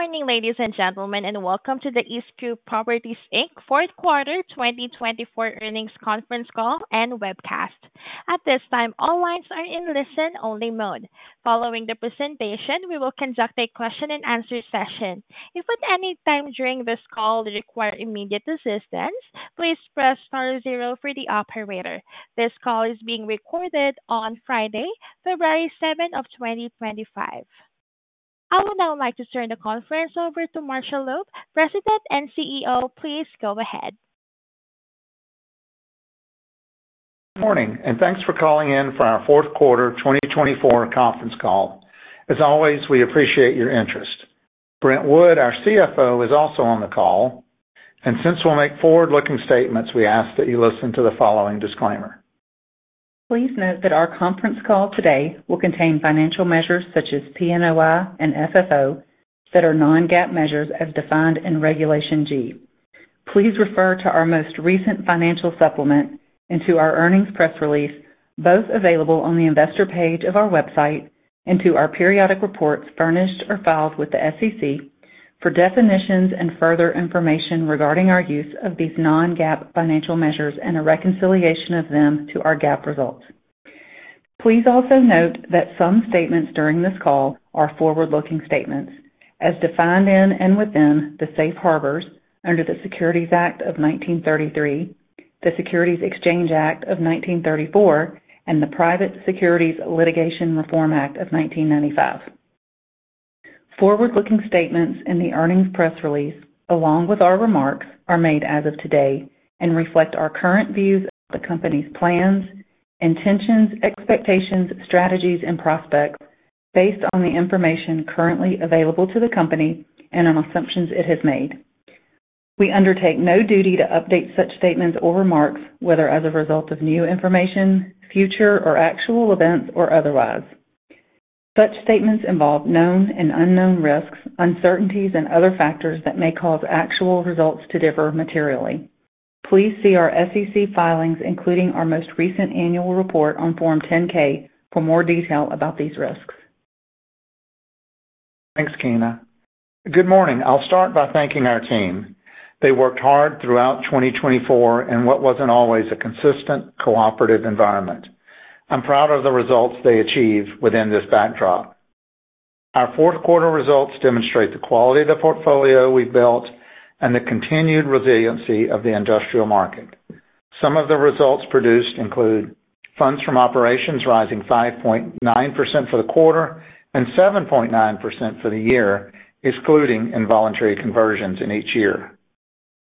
Good morning, ladies and gentlemen, and welcome to the EastGroup Properties, Inc Fourth Quarter 2024 Earnings Conference Call and Webcast. At this time, all lines are in listen-only mode. Following the presentation, we will conduct a question-and-answer session. If at any time during this call you require immediate assistance, please press star zero for the operator. This call is being recorded on Friday, February 7, 2025. I would now like to turn the conference over to Marshall Loeb, President and CEO. Please go ahead. Good morning, and thanks for calling in for our Fourth Quarter 2024 Conference Call. As always, we appreciate your interest. Brent Wood, our CFO, is also on the call, and since we'll make forward-looking statements, we ask that you listen to the following disclaimer. Please note that our conference call today will contain financial measures such as PNOI and FFO that are non-GAAP measures as defined in Regulation G. Please refer to our most recent financial supplement and to our earnings press release, both available on the investor page of our website and to our periodic reports furnished or filed with the SEC for definitions and further information regarding our use of these non-GAAP financial measures and a reconciliation of them to our GAAP results. Please also note that some statements during this call are forward-looking statements, as defined in and within the Safe Harbors under the Securities Act of 1933, the Securities Exchange Act of 1934, and the Private Securities Litigation Reform Act of 1995. Forward-looking statements in the earnings press release, along with our remarks, are made as of today and reflect our current views of the company's plans, intentions, expectations, strategies, and prospects based on the information currently available to the company and on assumptions it has made. We undertake no duty to update such statements or remarks, whether as a result of new information, future, or actual events, or otherwise. Such statements involve known and unknown risks, uncertainties, and other factors that may cause actual results to differ materially. Please see our SEC filings, including our most recent annual report on Form 10-K, for more detail about these risks. Thanks, Keena. Good morning. I'll start by thanking our team. They worked hard throughout 2024 in what wasn't always a consistent, cooperative environment. I'm proud of the results they achieved within this backdrop. Our fourth quarter results demonstrate the quality of the portfolio we've built and the continued resiliency of the industrial market. Some of the results produced include Funds From Operations rising 5.9% for the quarter and 7.9% for the year, excluding involuntary conversions in each year.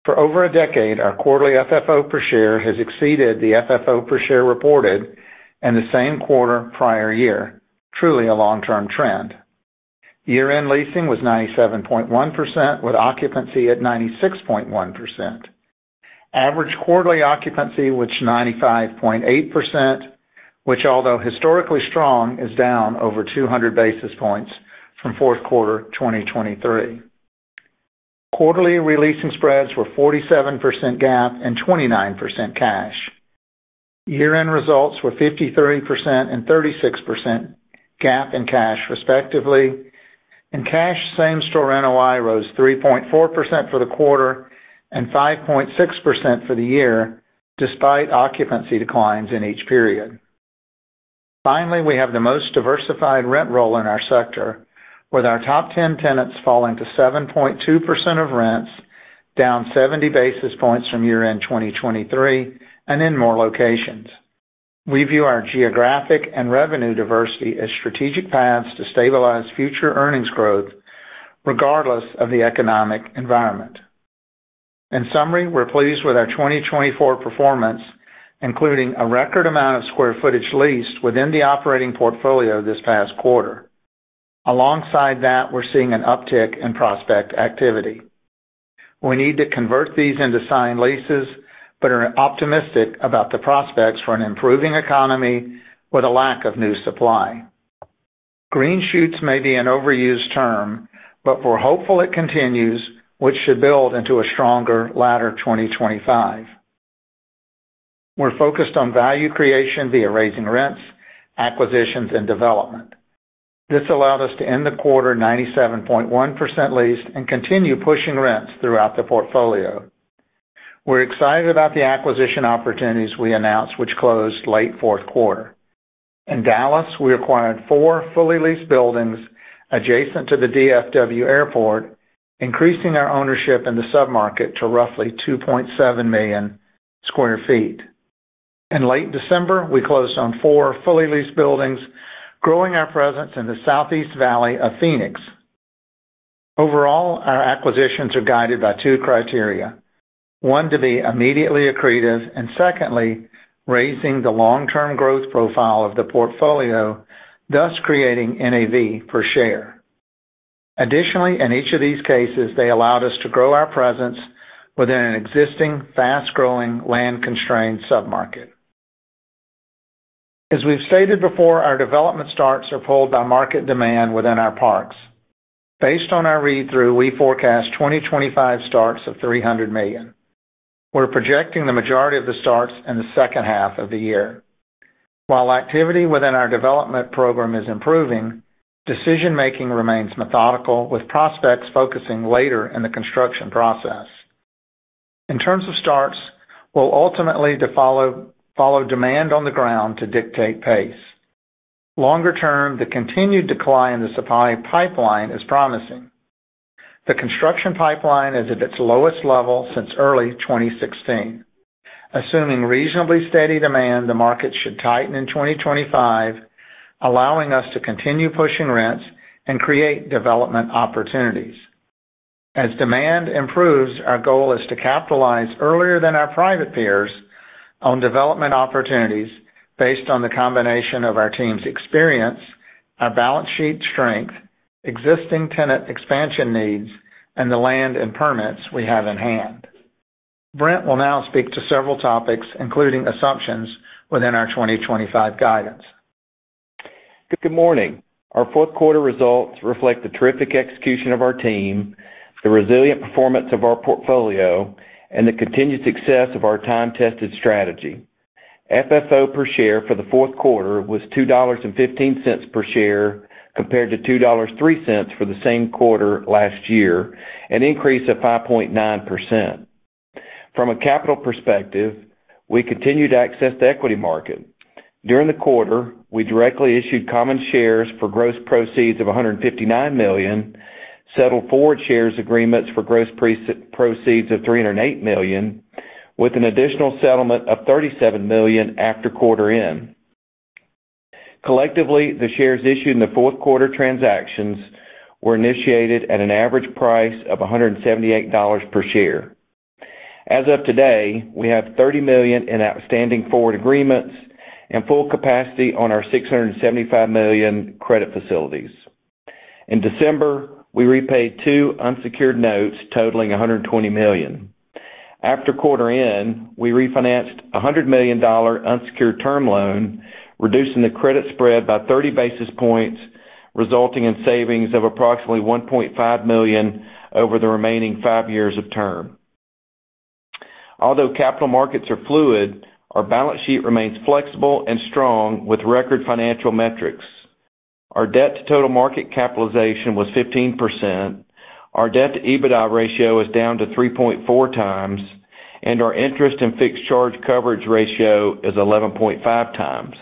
For over a decade, our quarterly FFO per share has exceeded the FFO per share reported in the same quarter prior -year, truly a long-term trend. Year-end leasing was 97.1%, with occupancy at 96.1%. Average quarterly occupancy which 95.8%, which, although historically strong, is down over 200 basis points from fourth quarter 2023. Quarterly leasing spreads were 47% GAAP and 29% cash. Year-end results were 53% and 36% GAAP and cash, respectively. In cash, Same-Store NOI rose 3.4% for the quarter and 5.6% for the year, despite occupancy declines in each period. Finally, we have the most diversified rent roll in our sector, with our top 10 tenants falling to 7.2% of rents, down 70 basis points from year-end 2023, and in more locations. We view our geographic and revenue diversity as strategic paths to stabilize future earnings growth regardless of the economic environment. In summary, we're pleased with our 2024 performance, including a record amount of square footage leased within the operating portfolio this past quarter. Alongside that, we're seeing an uptick in prospect activity. We need to convert these into signed leases, but are optimistic about the prospects for an improving economy with a lack of new supply. Green shoots may be an overused term, but we're hopeful it continues, which should build into a stronger latter 2025. We're focused on value creation via raising rents, acquisitions, and development. This allowed us to end the quarter 97.1% leased and continue pushing rents throughout the portfolio. We're excited about the acquisition opportunities we announced, which closed late fourth quarter. In Dallas, we acquired four fully leased buildings adjacent to the DFW Airport, increasing our ownership in the sub-market to roughly 2.7 million sq ft. In late December, we closed on four fully leased buildings, growing our presence in the Southeast Valley of Phoenix. Overall, our acquisitions are guided by two criteria: one, to be immediately accretive, and secondly, raising the long-term growth profile of the portfolio, thus creating NAV per share. Additionally, in each of these cases, they allowed us to grow our presence within an existing, fast-growing, land-constrained sub-market. As we've stated before, our development starts are pulled by market demand within our parks. Based on our read-through, we forecast 2025 starts of $300 million. We're projecting the majority of the starts in the second half of the year. While activity within our development program is improving, decision-making remains methodical, with prospects focusing later in the construction process. In terms of starts, we'll ultimately follow demand on the ground to dictate pace. Longer-term, the continued decline in the supply pipeline is promising. The construction pipeline is at its lowest level since early 2016. Assuming reasonably steady demand, the market should tighten in 2025, allowing us to continue pushing rents and create development opportunities. As demand improves, our goal is to capitalize earlier than our private peers on development opportunities based on the combination of our team's experience, our balance sheet strength, existing tenant expansion needs, and the land and permits we have in hand. Brent will now speak to several topics, including assumptions within our 2025 guidance. Good morning. Our fourth quarter results reflect the terrific execution of our team, the resilient performance of our portfolio, and the continued success of our time-tested strategy. FFO per share for the fourth quarter was $2.15 per share compared to $2.03 for the same quarter last year, an increase of 5.9%. From a capital perspective, we continued to access the equity market. During the quarter, we directly issued common shares for gross proceeds of $159 million, settled forward shares agreements for gross proceeds of $308 million, with an additional settlement of $37 million after quarter-end. Collectively, the shares issued in the fourth quarter transactions were initiated at an average price of $178 per share. As of today, we have $30 million in outstanding forward agreements and full capacity on our $675 million credit facilities. In December, we repaid two unsecured notes totaling $120 million. After quarter-end, we refinanced a $100 million unsecured term loan, reducing the credit spread by 30 basis points, resulting in savings of approximately $1.5 million over the remaining five years of term. Although capital markets are fluid, our balance sheet remains flexible and strong with record financial metrics. Our Debt-to-Total Market Capitalization was 15%. Our Debt-to-EBITDA ratio is down to 3.4x, and our Interest-and-Fixed-Charge Coverage Ratio is 11.5x.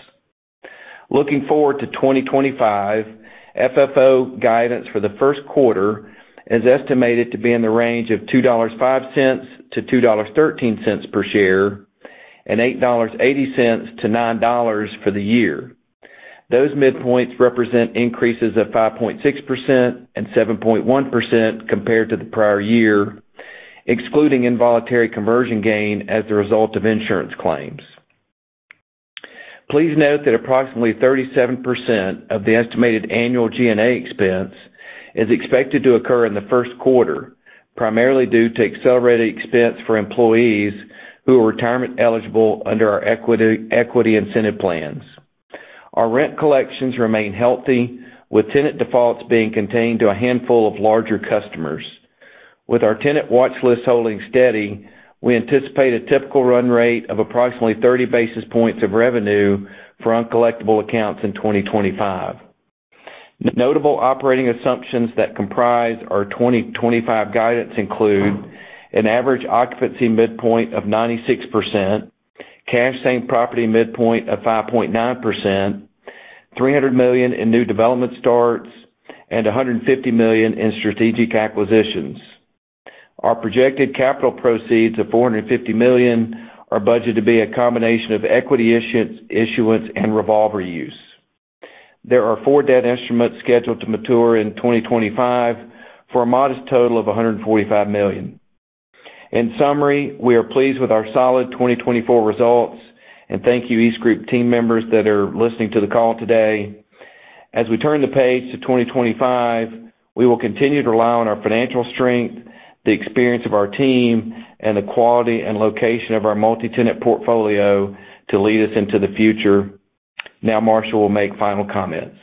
Looking forward to 2025, FFO guidance for the first quarter is estimated to be in the range of $2.05-$2.13 per share and $8.80-$9.00 for the year. Those midpoints represent increases of 5.6% and 7.1% compared to the prior-year, excluding involuntary conversion gain as the result of insurance claims. Please note that approximately 37% of the estimated annual G&A expense is expected to occur in the first quarter, primarily due to accelerated expense for employees who are retirement-eligible under our equity incentive plans. Our rent collections remain healthy, with tenant defaults being contained to a handful of larger customers. With our tenant watch list holding steady, we anticipate a typical run rate of approximately 30 basis points of revenue for uncollectible accounts in 2025. Notable operating assumptions that comprise our 2025 guidance include an average occupancy midpoint of 96%, Cash Same-Property midpoint of 5.9%, $300 million in new development starts, and $150 million in strategic acquisitions. Our projected capital proceeds of $450 million are budgeted to be a combination of equity issuance and revolver use. There are four debt instruments scheduled to mature in 2025 for a modest total of $145 million. In summary, we are pleased with our solid 2024 results, and thank you, EastGroup team members, that are listening to the call today. As we turn the page to 2025, we will continue to rely on our financial strength, the experience of our team, and the quality and location of our multi-tenant portfolio to lead us into the future. Now, Marshall will make final comments.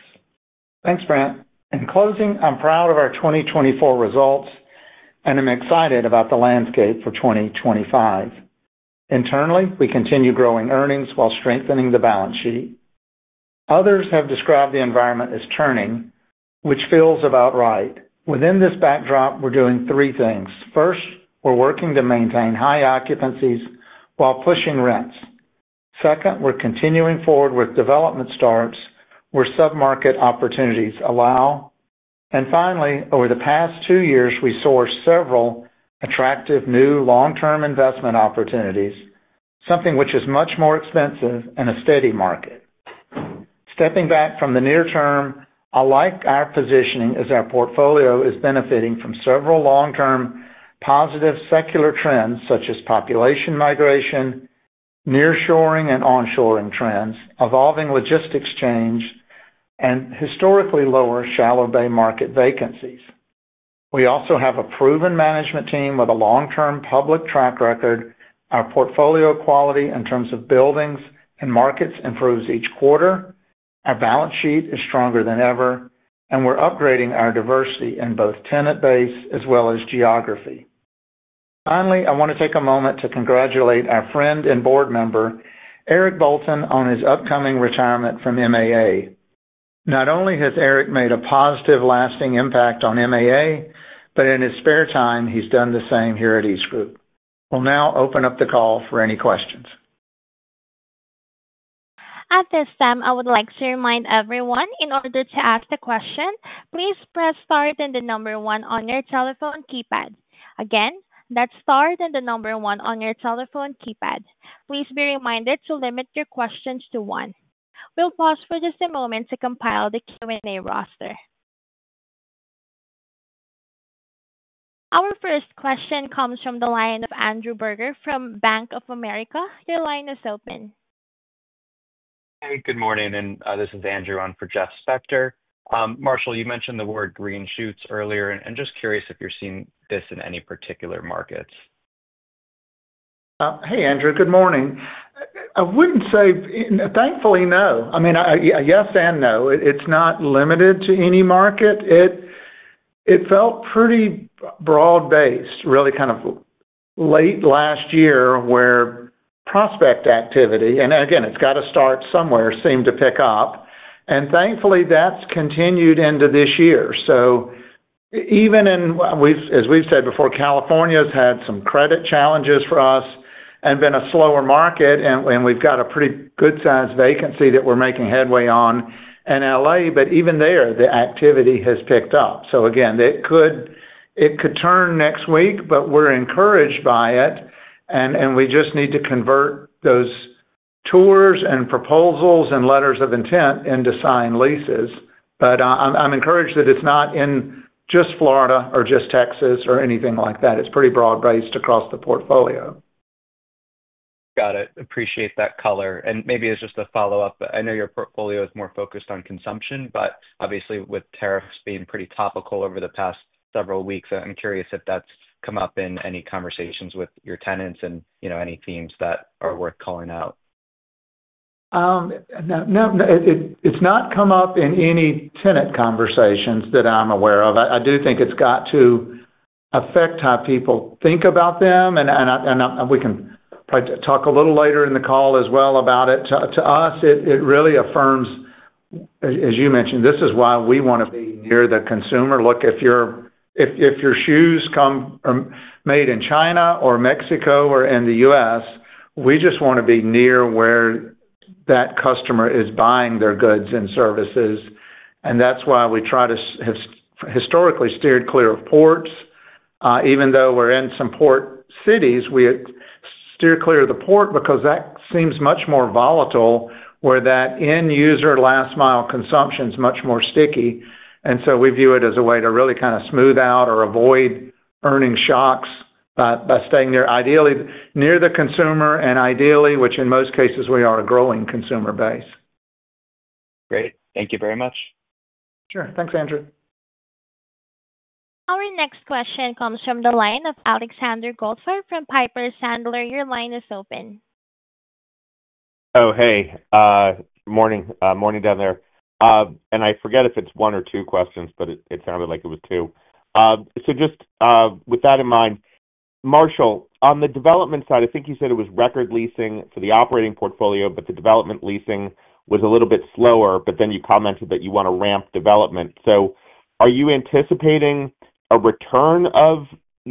Thanks, Brent. In closing, I'm proud of our 2024 results, and I'm excited about the landscape for 2025. Internally, we continue growing earnings while strengthening the balance sheet. Others have described the environment as turning, which feels about right. Within this backdrop, we're doing three things. First, we're working to maintain high occupancies while pushing rents. Second, we're continuing forward with development starts where sub-market opportunities allow, and finally, over the past two years, we sourced several attractive new long-term investment opportunities, something which is much more expensive in a steady market. Stepping back from the near-term, I like our positioning as our portfolio is benefiting from several long-term positive secular trends, such as population migration, nearshoring and onshoring trends, evolving logistics change, and historically lower shallow bay market vacancies. We also have a proven management team with a long-term public track record. Our portfolio quality in terms of buildings and markets improves each quarter. Our balance sheet is stronger than ever, and we're upgrading our diversity in both tenant base as well as geography. Finally, I want to take a moment to congratulate our friend and board member, Eric Bolton, on his upcoming retirement from MAA. Not only has Eric made a positive lasting impact on MAA, but in his spare time, he's done the same here at EastGroup. We'll now open up the call for any questions. At this time, I would like to remind everyone, in order to ask a question, please press star, then the number one on your telephone keypad. Again, that's star, then the number one on your telephone keypad. Please be reminded to limit your questions to one. We'll pause for just a moment to compile the Q&A roster. Our first question comes from the line of Andrew Berger from Bank of America. Your line is open. Hey, good morning, and this is Andrew on for Jeff Spector. Marshall, you mentioned the word green shoots earlier. I'm just curious if you're seeing this in any particular markets. Hey, Andrew, good morning. I wouldn't say, thankfully, no. I mean, yes and no. It's not limited to any market. It felt pretty broad-based, really kind of late last year where prospect activity, and again, it's got to start somewhere, seemed to pick up. And thankfully, that's continued into this year. So even in, as we've said before, California has had some credit challenges for us and been a slower market, and we've got a pretty good-sized vacancy that we're making headway on in L.A., but even there, the activity has picked up. So again, it could turn next week, but we're encouraged by it, and we just need to convert those tours and proposals and letters of intent into signed leases. But I'm encouraged that it's not in just Florida or just Texas or anything like that. It's pretty broad-based across the portfolio. Got it. Appreciate that color. And maybe it's just a follow-up. I know your portfolio is more focused on consumption, but obviously, with tariffs being pretty topical over the past several weeks, I'm curious if that's come up in any conversations with your tenants and any themes that are worth calling out? No, it's not come up in any tenant conversations that I'm aware of. I do think it's got to affect how people think about them, and we can talk a little later in the call as well about it. To us, it really affirms, as you mentioned, this is why we want to be near the consumer. Look, if your shoes come made in China or Mexico or in the U.S., we just want to be near where that customer is buying their goods and services. And that's why we try to have historically steered clear of ports. Even though we're in some port cities, we steer cl ear of the port because that seems much more volatile, where that end-user last-mile consumption is much more sticky. And so we view it as a way to really kind of smooth out or avoid earning shocks by staying there, ideally near the consumer, and ideally, which in most cases, we are a growing consumer base. Great. Thank you very much. Sure. Thanks, Andrew. Our next question comes from the line of Alexander Goldfarb from Piper Sandler. Your line is open. Oh, hey. Morning down there, and I forget if it's one or two questions, but it sounded like it was two, so just with that in mind, Marshall, on the development side, I think you said it was record leasing for the operating portfolio, but the development leasing was a little bit slower, but then you commented that you want to ramp development. Are you anticipating a return of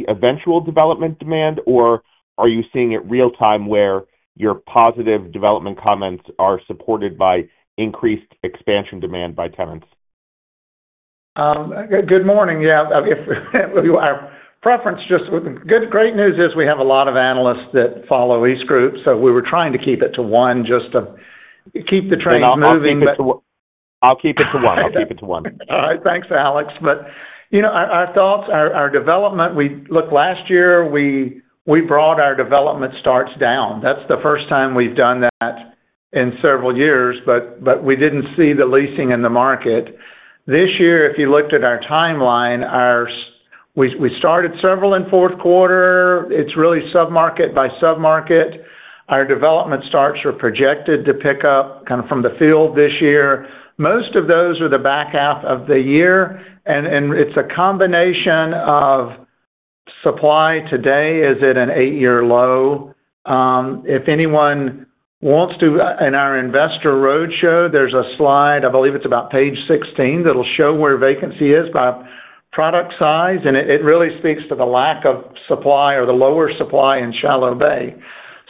eventual development demand, or are you seeing it real-time where your positive development comments are supported by increased expansion demand by tenants? Good morning. Yeah. Our preference just with great news is we have a lot of analysts that follow EastGroup, so we were trying to keep it to one just to keep the train moving. I'll keep it to one. All right. Thanks, Alex. But our thoughts, our development, we looked last year, we brought our development starts down. That's the first time we've done that in several years, but we didn't see the leasing in the market. This year, if you looked at our timeline, we started several in fourth quarter. It's really sub-market by sub-market. Our development starts are projected to pick up kind of from the field this year. Most of those are the back half of the year, and it's a combination of supply today is at an eight-year low. If anyone wants to, in our investor roadshow, there's a slide, I believe it's about page 16, that'll show where vacancy is by product size, and it really speaks to the lack of supply or the lower supply in shallow bay.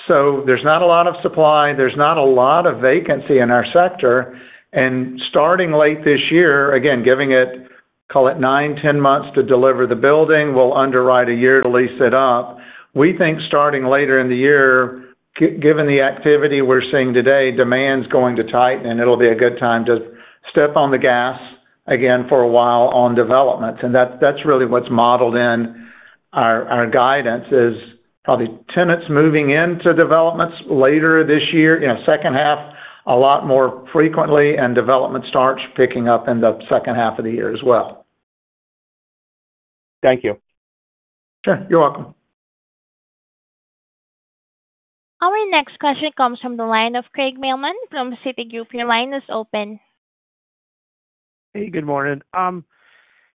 So there's not a lot of supply. There's not a lot of vacancy in our sector. And starting late this year, again, giving it, call it nine, 10 months to deliver the building, we'll underwrite a year to lease it up. We think starting later in the year, given the activity we're seeing today, demand's going to tighten, and it'll be a good time to step on the gas again for a while on developments. And that's really what's modeled in our guidance is probably tenants moving into developments later this year, second half a lot more frequently, and development starts picking up in the second half of the year as well. Thank you. Sure. You're welcome. Our next question comes from the line of Craig Mailman from Citigroup. Your line is open. Hey, good morning.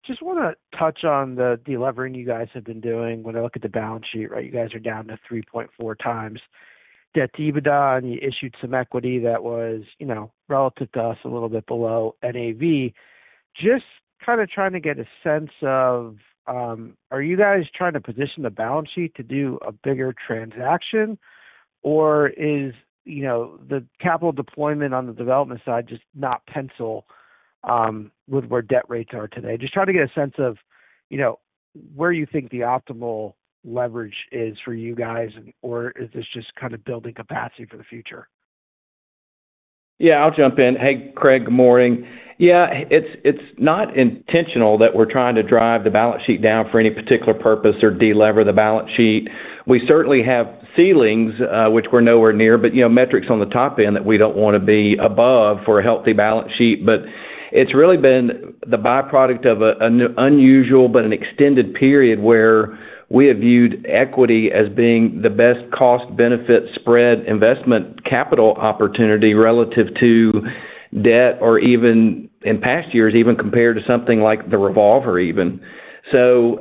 Just want to touch on the development you guys have been doing. When I look at the balance sheet, right, you guys are down to 3.4x debt to EBITDA, and you issued some equity that was relative to us a little bit below NAV. Just kind of trying to get a sense of, are you guys trying to position the balance sheet to do a bigger transaction, or is the capital deployment on the development side just not pencil with where debt rates are today? Just trying to get a sense of where you think the optimal leverage is for you guys, or is this just kind of building capacity for the future? Yeah, I'll jump in. Hey, Craig, good morning. Yeah, it's not intentional that we're trying to drive the balance sheet down for any particular purpose or delever the balance sheet. We certainly have ceilings, which we're nowhere near, but metrics on the top end that we don't want to be above for a healthy balance sheet. But it's really been the byproduct of an unusual but an extended period where we have viewed equity as being the best cost-benefit spread investment capital opportunity relative to debt or even in past years, even compared to something like the revolver even. So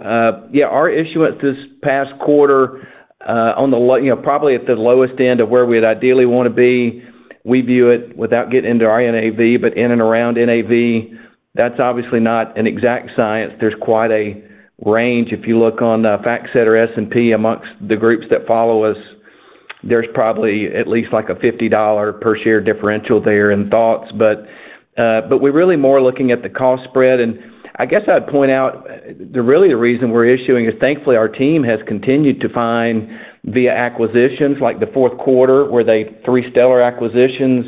yeah, our issuance this past quarter on the, probably at the lowest end of where we'd ideally want to be. We view it without getting into our NAV, but in and around NAV. That's obviously not an exact science. There's quite a range. If you look on the FactSet S&P among the groups that follow us, there's probably at least like a $50 per share differential there in thoughts. But we're really more looking at the cost spread. And I guess I'd point out really the reason we're issuing is, thankfully, our team has continued to find via acquisitions like the fourth quarter, where they three stellar acquisitions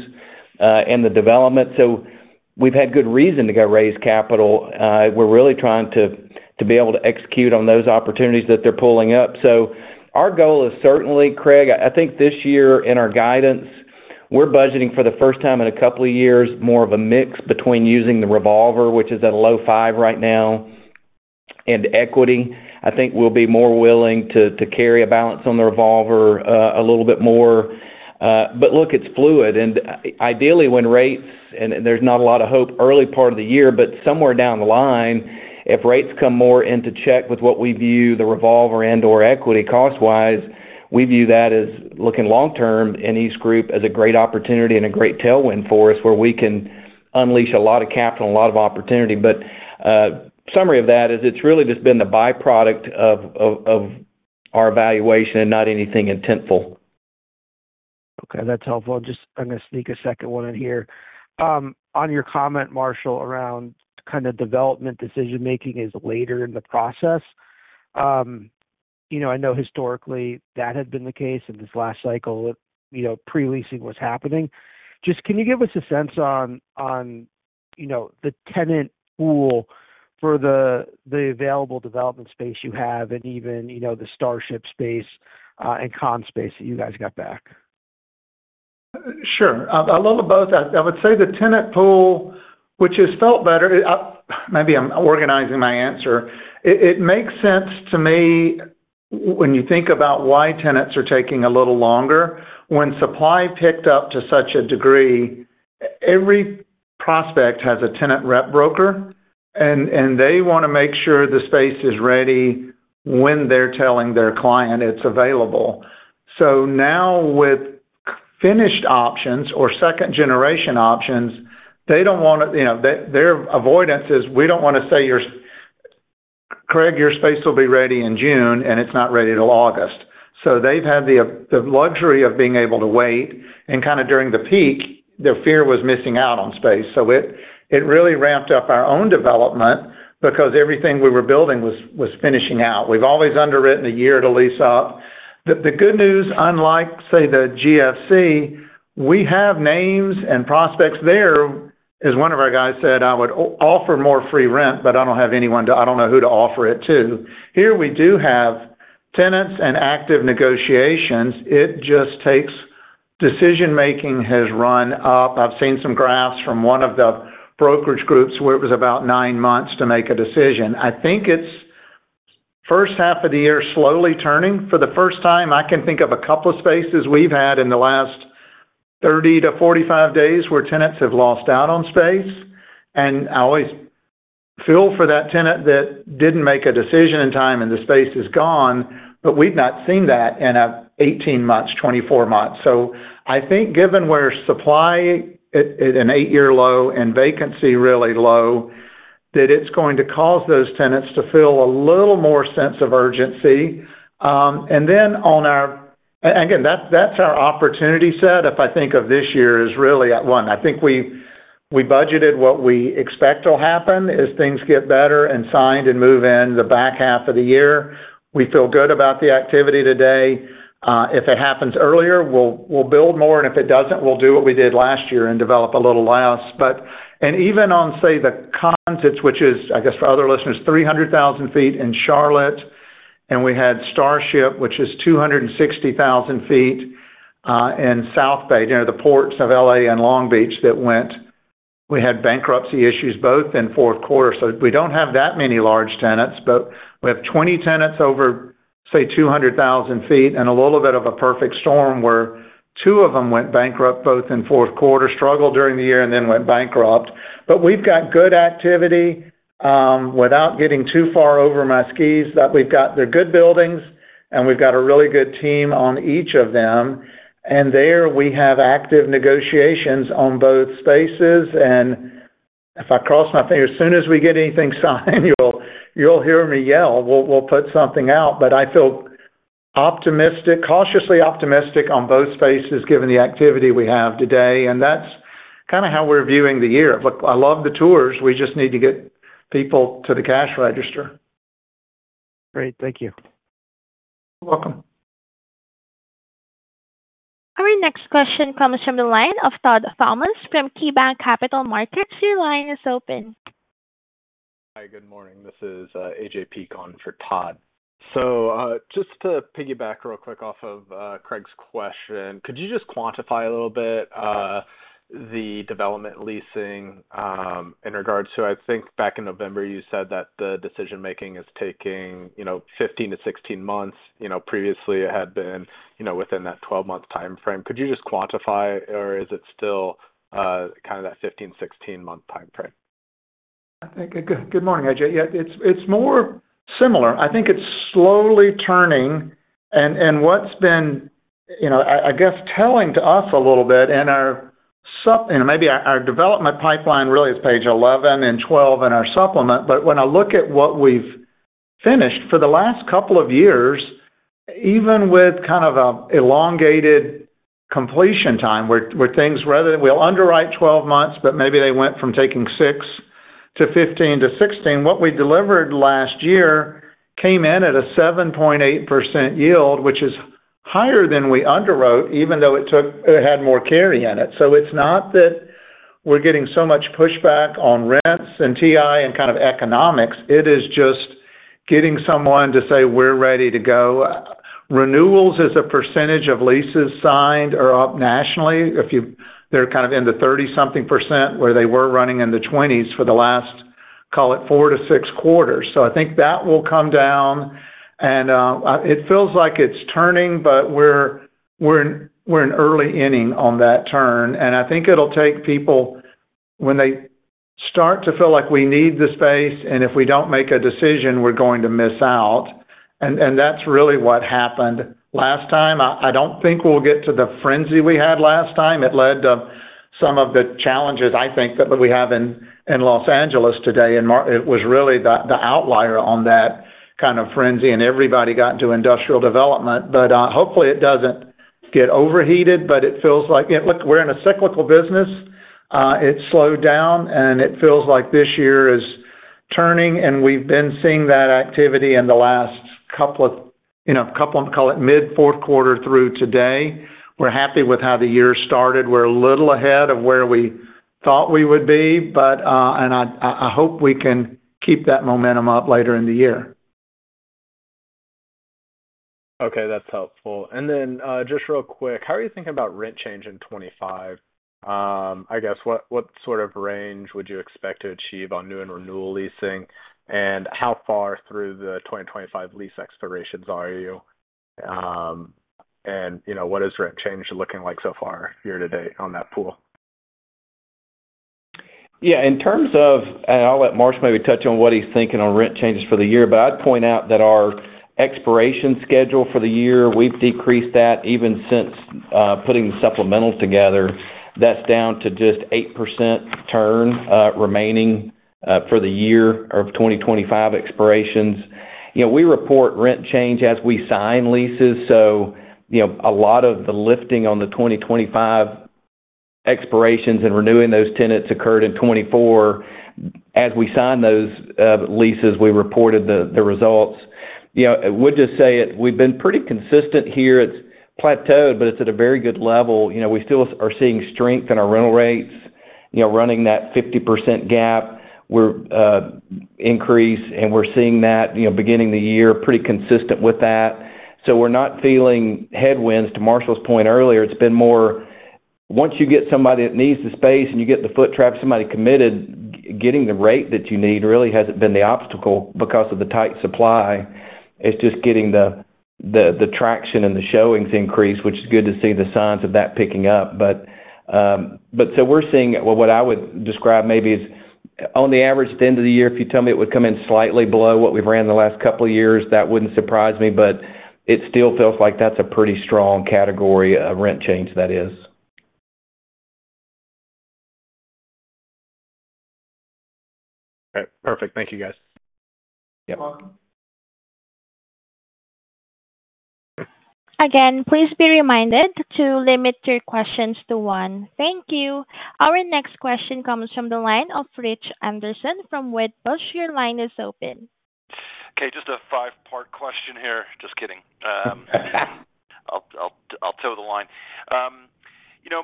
and the development. So we've had good reason to go raise capital. We're really trying to be able to execute on those opportunities that they're pulling up. So our goal is certainly, Craig, I think this year in our guidance, we're budgeting for the first time in a couple of years more of a mix between using the revolver, which is at a low five right now, and equity. I think we'll be more willing to carry a balance on the revolver a little bit more. But look, it's fluid. And ideally, when rates and there's not a lot of hope early part of the year, but somewhere down the line, if rates come more into check with what we view the revolver and/or equity cost-wise, we view that as looking long-term in EastGroup as a great opportunity and a great tailwind for us where we can unleash a lot of capital, a lot of opportunity. But summary of that is it's really just been the byproduct of our conservation and not anything intentional. Okay. That's helpful. I'm going to sneak a second one in here. On your comment, Marshall, around kind of development decision-making is later in the process. I know historically that had been the case in this last cycle with pre-leasing was happening. Just can you give us a sense on the tenant pool for the available development space you have and even the Starship space and Conn's space that you guys got back? Sure. A little of both. I would say the tenant pool, which has felt better. Maybe I'm organizing my answer. It makes sense to me when you think about why tenants are taking a little longer. When supply picked up to such a degree, every prospect has a tenant rep broker, and they want to make sure the space is ready when they're telling their client it's available, so now with finished options or second-generation options, they don't want to. Their avoidance is we don't want to say, "Craig, your space will be ready in June," and it's not ready till August, so they've had the luxury of being able to wait, and kind of during the peak, their fear was missing out on space, so it really ramped up our own development because everything we were building was finishing out. We've always underwritten a year to lease-up. The good news, unlike, say, the GFC, we have names and prospects there. As one of our guys said, "I would offer more free rent, but I don't know who to offer it to." Here, we do have tenants and active negotiations. It just takes. Decision-making has run up. I've seen some graphs from one of the brokerage groups where it was about nine months to make a decision. I think it's first half of the year slowly turning. For the first time, I can think of a couple of spaces we've had in the last 30-45 days where tenants have lost out on space. I always feel for that tenant that didn't make a decision in time and the space is gone, but we've not seen that in 18 months, 24 months. I think given where supply is at an eight-year low and vacancy really low, that it's going to cause those tenants to feel a little more sense of urgency. And then on our, again, that's our opportunity set. If I think of this year as really at one, I think we budgeted what we expect will happen as things get better and signed and move in the back half of the year. We feel good about the activity today. If it happens earlier, we'll build more. And if it doesn't, we'll do what we did last year and develop a little less. And even on, say, the Conn's, which is, I guess, for other listeners, 300,000 sq ft in Charlotte, and we had Starship, which is 260,000 sq ft in South Bay, near the ports of L.A. and Long Beach that we had bankruptcy issues both in fourth quarter. We don't have that many large tenants, but we have 20 tenants over, say, 200,000 sq ft and a little bit of a perfect storm where two of them went bankrupt both in fourth quarter, struggled during the year, and then went bankrupt. But we've got good activity without getting too far over my skis that we've got. They're good buildings, and we've got a really good team on each of them. And there we have active negotiations on both spaces. And if I cross my fingers, as soon as we get anything signed, you'll hear me yell. We'll put something out. But I feel cautiously optimistic on both spaces given the activity we have today. And that's kind of how we're viewing the year. I love the tours. We just need to get people to the cash register. Great. Thank you. You're welcome. Our next question comes from the line of Todd Thomas from KeyBanc Capital Markets. Your line is open. Hi, good morning. This is AJ Peak on for Todd. So just to piggyback real quick off of Craig's question, could you just quantify a little bit the development leasing in regards to, I think back in November, you said that the decision-making is taking 15-16 months. Previously, it had been within that 12-month timeframe. Could you just quantify, or is it still kind of that 15-16-month timeframe? Good morning, AJ. It's more similar. I think it's slowly turning, and what's been, I guess, telling to us a little bit in our maybe our development pipeline really is page 11 and 12 in our supplement. But when I look at what we've finished for the last couple of years, even with kind of an elongated completion time where things rather than we'll underwrite 12 months, but maybe they went from taking 6 months to 15 months to 16 months, what we delivered last year came in at a 7.8% yield, which is higher than we underwrote, even though it had more carry in it. So it's not that we're getting so much pushback on rents and TI and kind of economics. It is just getting someone to say, "We're ready to go." Renewals as a percentage of leases signed are up nationally. They're kind of in the 30-something% where they were running in the 20s% for the last, call it, four to six quarters, so I think that will come down, and it feels like it's turning, but we're an early inning on that turn, and I think it'll take people when they start to feel like we need the space, and if we don't make a decision, we're going to miss out, and that's really what happened last time. I don't think we'll get to the frenzy we had last time. It led to some of the challenges, I think, that we have in Los Angeles today, and it was really the outlier on that kind of frenzy, and everybody got into industrial development, but hopefully, it doesn't get overheated, but it feels like we're in a cyclical business. It's slowed down, and it feels like this year is turning. We've been seeing that activity in the last couple of, call it, mid-fourth quarter through today. We're happy with how the year started. We're a little ahead of where we thought we would be. I hope we can keep that momentum up later in the year. Okay. That's helpful. And then just real quick, how are you thinking about rent change in 2025? I guess what sort of range would you expect to achieve on new and renewal leasing? And how far through the 2025 lease expirations are you? And what is rent change looking like so far year-to-date on that pool? Yeah. In terms of, and I'll let Marsh maybe touch on what he's thinking on rent changes for the year, but I'd point out that our expiration schedule for the year. We've decreased that even since putting the supplemental together. That's down to just 8% turn remaining for the year of 2025 expirations. We report rent change as we sign leases, so a lot of the lifting on the 2025 expirations and renewing those tenants occurred in 2024. As we sign those leases, we reported the results. I would just say we've been pretty consistent here. It's plateaued, but it's at a very good level. We still are seeing strength in our rental rates, running that 50% gap increase, and we're seeing that beginning the year pretty consistent with that, so we're not feeling headwinds. To Marshall's point earlier, it's been more once you get somebody that needs the space and you get the footprint, somebody committed. Getting the rate that you need really hasn't been the obstacle because of the tight supply. It's just getting the traction and the showings increase, which is good to see the signs of that picking up. But so we're seeing what I would describe maybe as on the average at the end of the year, if you tell me it would come in slightly below what we've ran the last couple of years, that wouldn't surprise me. But it still feels like that's a pretty strong category of rent change that is. Okay. Perfect. Thank you, guys. You're welcome. Again, please be reminded to limit your questions to one. Thank you. Our next question comes from the line of Rich Anderson from Wedbush. Your line is open. Okay. Just a five-part question here. Just kidding. I'll toe the line.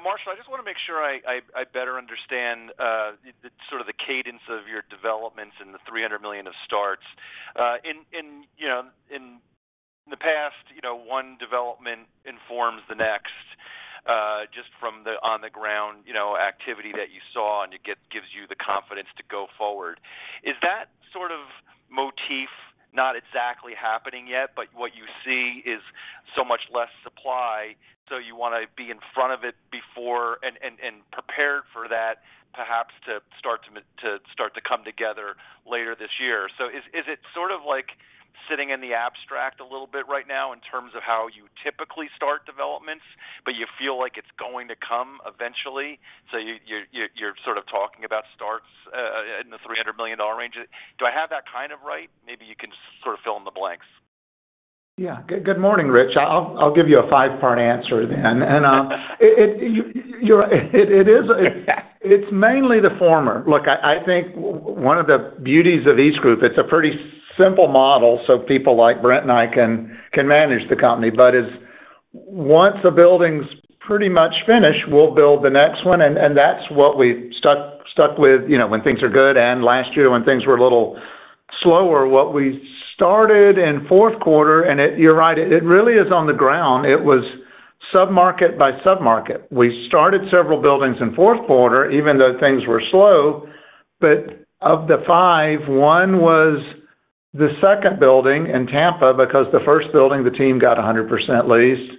Marshall, I just want to make sure I better understand sort of the cadence of your developments and the $300 million of starts. In the past, one development informs the next just from the on-the-ground activity that you saw and gives you the confidence to go forward. Is that sort of motif not exactly happening yet? But what you see is so much less supply. So you want to be in front of it before and prepared for that, perhaps to start to come together later this year. So is it sort of like sitting in the abstract a little bit right now in terms of how you typically start developments, but you feel like it's going to come eventually? So you're sort of talking about starts in the $300 million range. Do I have that kind of right? Maybe you can sort of fill in the blanks. Yeah. Good morning, Rich. I'll give you a five-part answer then. And it is mainly the former. Look, I think one of the beauties of EastGroup, it's a pretty simple model so people like Brent and I can manage the company. But once a building's pretty much finished, we'll build the next one. And that's what we stuck with when things are good. And last year, when things were a little slower, what we started in fourth quarter, and you're right, it really is on the ground. It was sub-market by sub-market. We started several buildings in fourth quarter, even though things were slow. But of the five, one was the second building in Tampa because the first building, the team got 100% leased.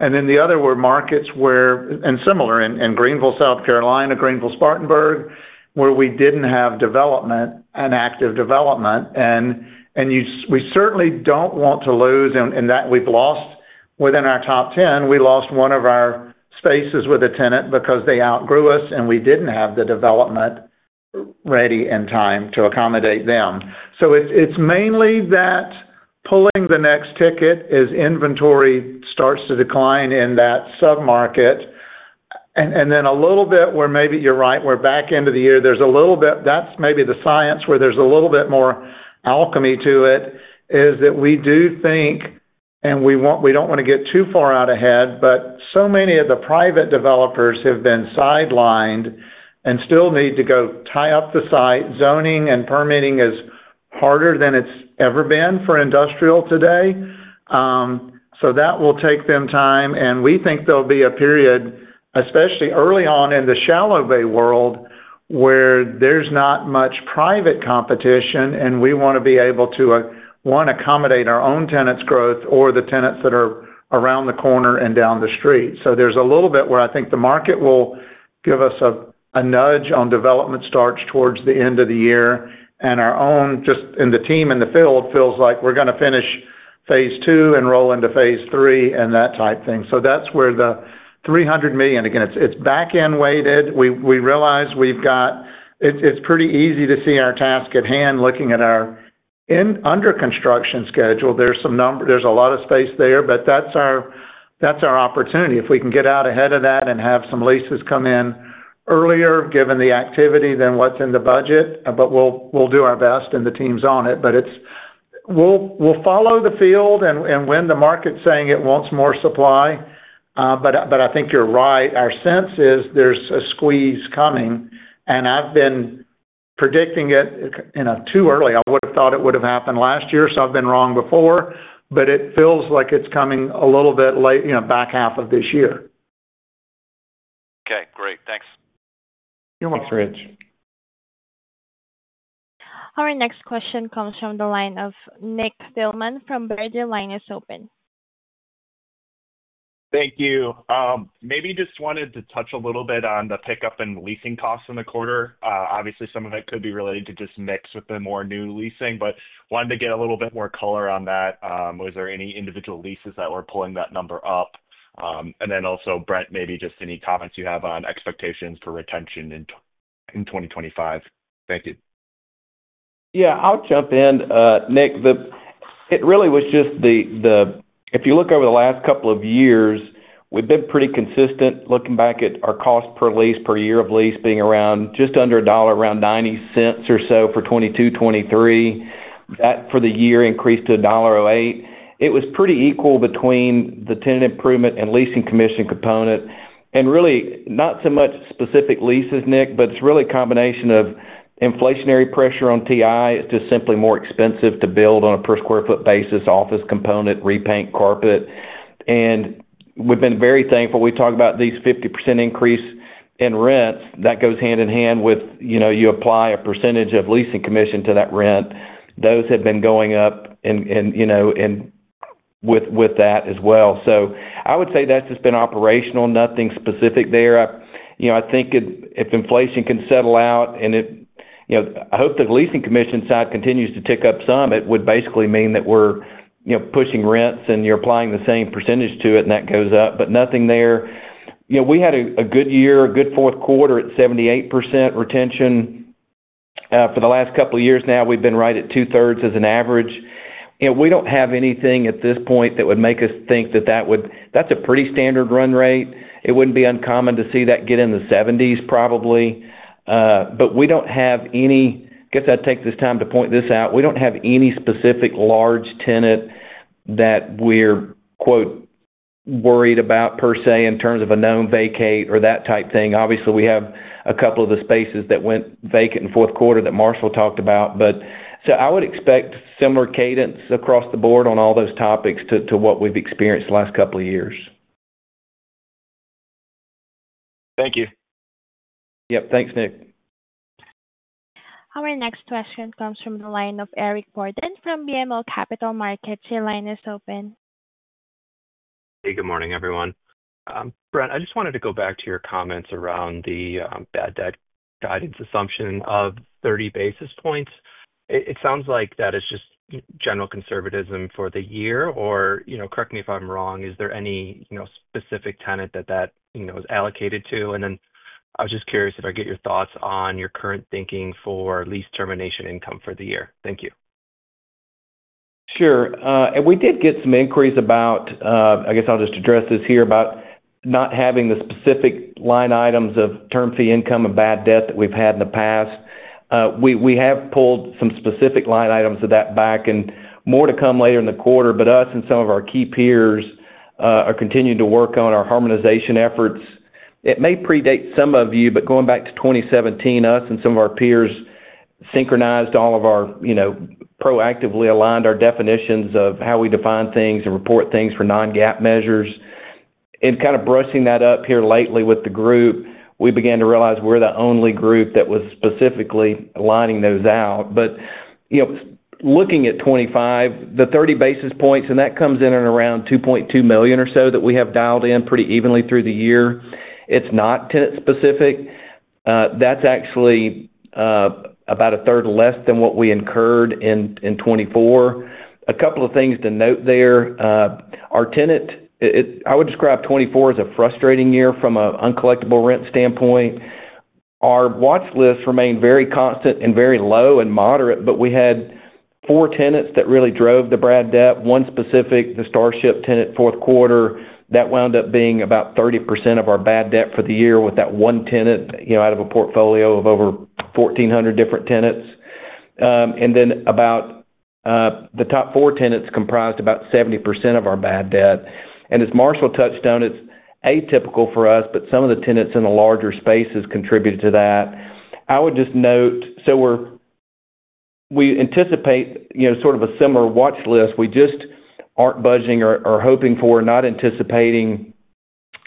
And then the other were markets where and similar in Greenville, South Carolina, Greenville-Spartanburg, where we didn't have development and active development. And we certainly don't want to lose, and that we've lost within our top 10, we lost one of our spaces with a tenant because they outgrew us, and we didn't have the development ready in time to accommodate them. So it's mainly that pulling the next ticket as inventory starts to decline in that sub-market. And then a little bit where maybe you're right, we're back into the year. There's a little bit that's maybe the science where there's a little bit more alchemy to it is that we do think, and we don't want to get too far out ahead, but so many of the private developers have been sidelined and still need to go tie up the site. Zoning and permitting is harder than it's ever been for industrial today. So that will take them time. We think there'll be a period, especially early on in the shallow bay world, where there's not much private competition, and we want to be able to, one, accommodate our own tenants' growth or the tenants that are around the corner and down the street. So there's a little bit where I think the market will give us a nudge on development starts towards the end of the year. Our own, just in the team in the field, feels like we're going to finish phase II and roll into phase III and that type thing. So that's where the $300 million, again, it's back-end weighted. We realize we've got. It's pretty easy to see our task at hand looking at our under-construction schedule. There's a lot of space there, but that's our opportunity. If we can get out ahead of that and have some leases come in earlier, given the activity, then what's in the budget, but we'll do our best, and the team's on it, but we'll follow the field and when the market's saying it wants more supply, but I think you're right. Our sense is there's a squeeze coming, and I've been predicting it too early. I would have thought it would have happened last year, so I've been wrong before, but it feels like it's coming a little bit back half of this year. Okay. Great. Thanks. You're welcome, Rich. Our next question comes from the line of Nick Thillman from Baird. Line is open. Thank you. Maybe just wanted to touch a little bit on the pickup and leasing costs in the quarter. Obviously, some of it could be related to just mix with the more new leasing, but wanted to get a little bit more color on that. Was there any individual leases that were pulling that number up? And then also, Brent, maybe just any comments you have on expectations for retention in 2025? Thank you. Yeah. I'll jump in. Nick, it really was just the if you look over the last couple of years, we've been pretty consistent looking back at our cost-per-lease per year of lease being around just under a dollar, around $0.90 or so for 2022, 2023. That for the year increased to $1.08. It was pretty equal between the tenant improvement and leasing commission component. And really, not so much specific leases, Nick, but it's really a combination of inflationary pressure on TI. It's just simply more expensive to build on a per sq ft basis office component, repaint, carpet. And we've been very thankful. We talk about these 50% increase in rents. That goes hand in hand with you apply a percentage of leasing commission to that rent. Those have been going up with that as well. So I would say that's just been operational, nothing specific there. I think if inflation can settle out and I hope the leasing commission side continues to tick up some, it would basically mean that we're pushing rents and you're applying the same percentage to it and that goes up. But nothing there. We had a good year, a good fourth quarter at 78% retention. For the last couple of years now, we've been right at two-thirds as an average. We don't have anything at this point that would make us think that that's a pretty standard run rate. It wouldn't be uncommon to see that get in the 70s probably. But we don't have any. I guess I'd take this time to point this out. We don't have any specific large tenant that we're "worried" about per se in terms of a known vacate or that type thing. Obviously, we have a couple of the spaces that went vacant in fourth quarter that Marshall talked about. But so I would expect similar cadence across the board on all those topics to what we've experienced the last couple of years. Thank you. Yep. Thanks, Nick. Our next question comes from the line of Eric Borden from BMO Capital Markets. Your line is open. Hey, good morning, everyone. Brent, I just wanted to go back to your comments around the bad debt guidance assumption of 30 basis points. It sounds like that is just general conservatism for the year. Or correct me if I'm wrong. Is there any specific tenant that that is allocated to? And then I was just curious if I could get your thoughts on your current thinking for lease termination income for the year. Thank you. Sure. And we did get some inquiries about. I guess I'll just address this here about not having the specific line items of term fee income and bad debt that we've had in the past. We have pulled some specific line items of that back and more to come later in the quarter. But us and some of our key peers are continuing to work on our harmonization efforts. It may predate some of you, but going back to 2017, us and some of our peers synchronized all of our proactively aligned our definitions of how we define things and report things for non-GAAP measures. And kind of brushing that up here lately with the group, we began to realize we're the only group that was specifically aligning those out. Looking at 2025, the 30 basis points, and that comes in at around $2.2 million or so that we have dialed in pretty evenly through the year. It's not tenant-specific. That's actually about a third less than what we incurred in 2024. A couple of things to note there. Our tenant, I would describe 2024 as a frustrating year from an uncollectible rent standpoint. Our watch list remained very constant and very low and moderate, but we had four tenants that really drove the bad debt. One specific, the Starship tenant fourth quarter, that wound up being about 30% of our bad debt for the year with that one tenant out of a portfolio of over 1,400 different tenants. And then about the top four tenants comprised about 70% of our bad debt. As Marshall touched on, it's atypical for us, but some of the tenants in the larger spaces contributed to that. I would just note, so we anticipate sort of a similar watch list. We just aren't budging or hoping for, not anticipating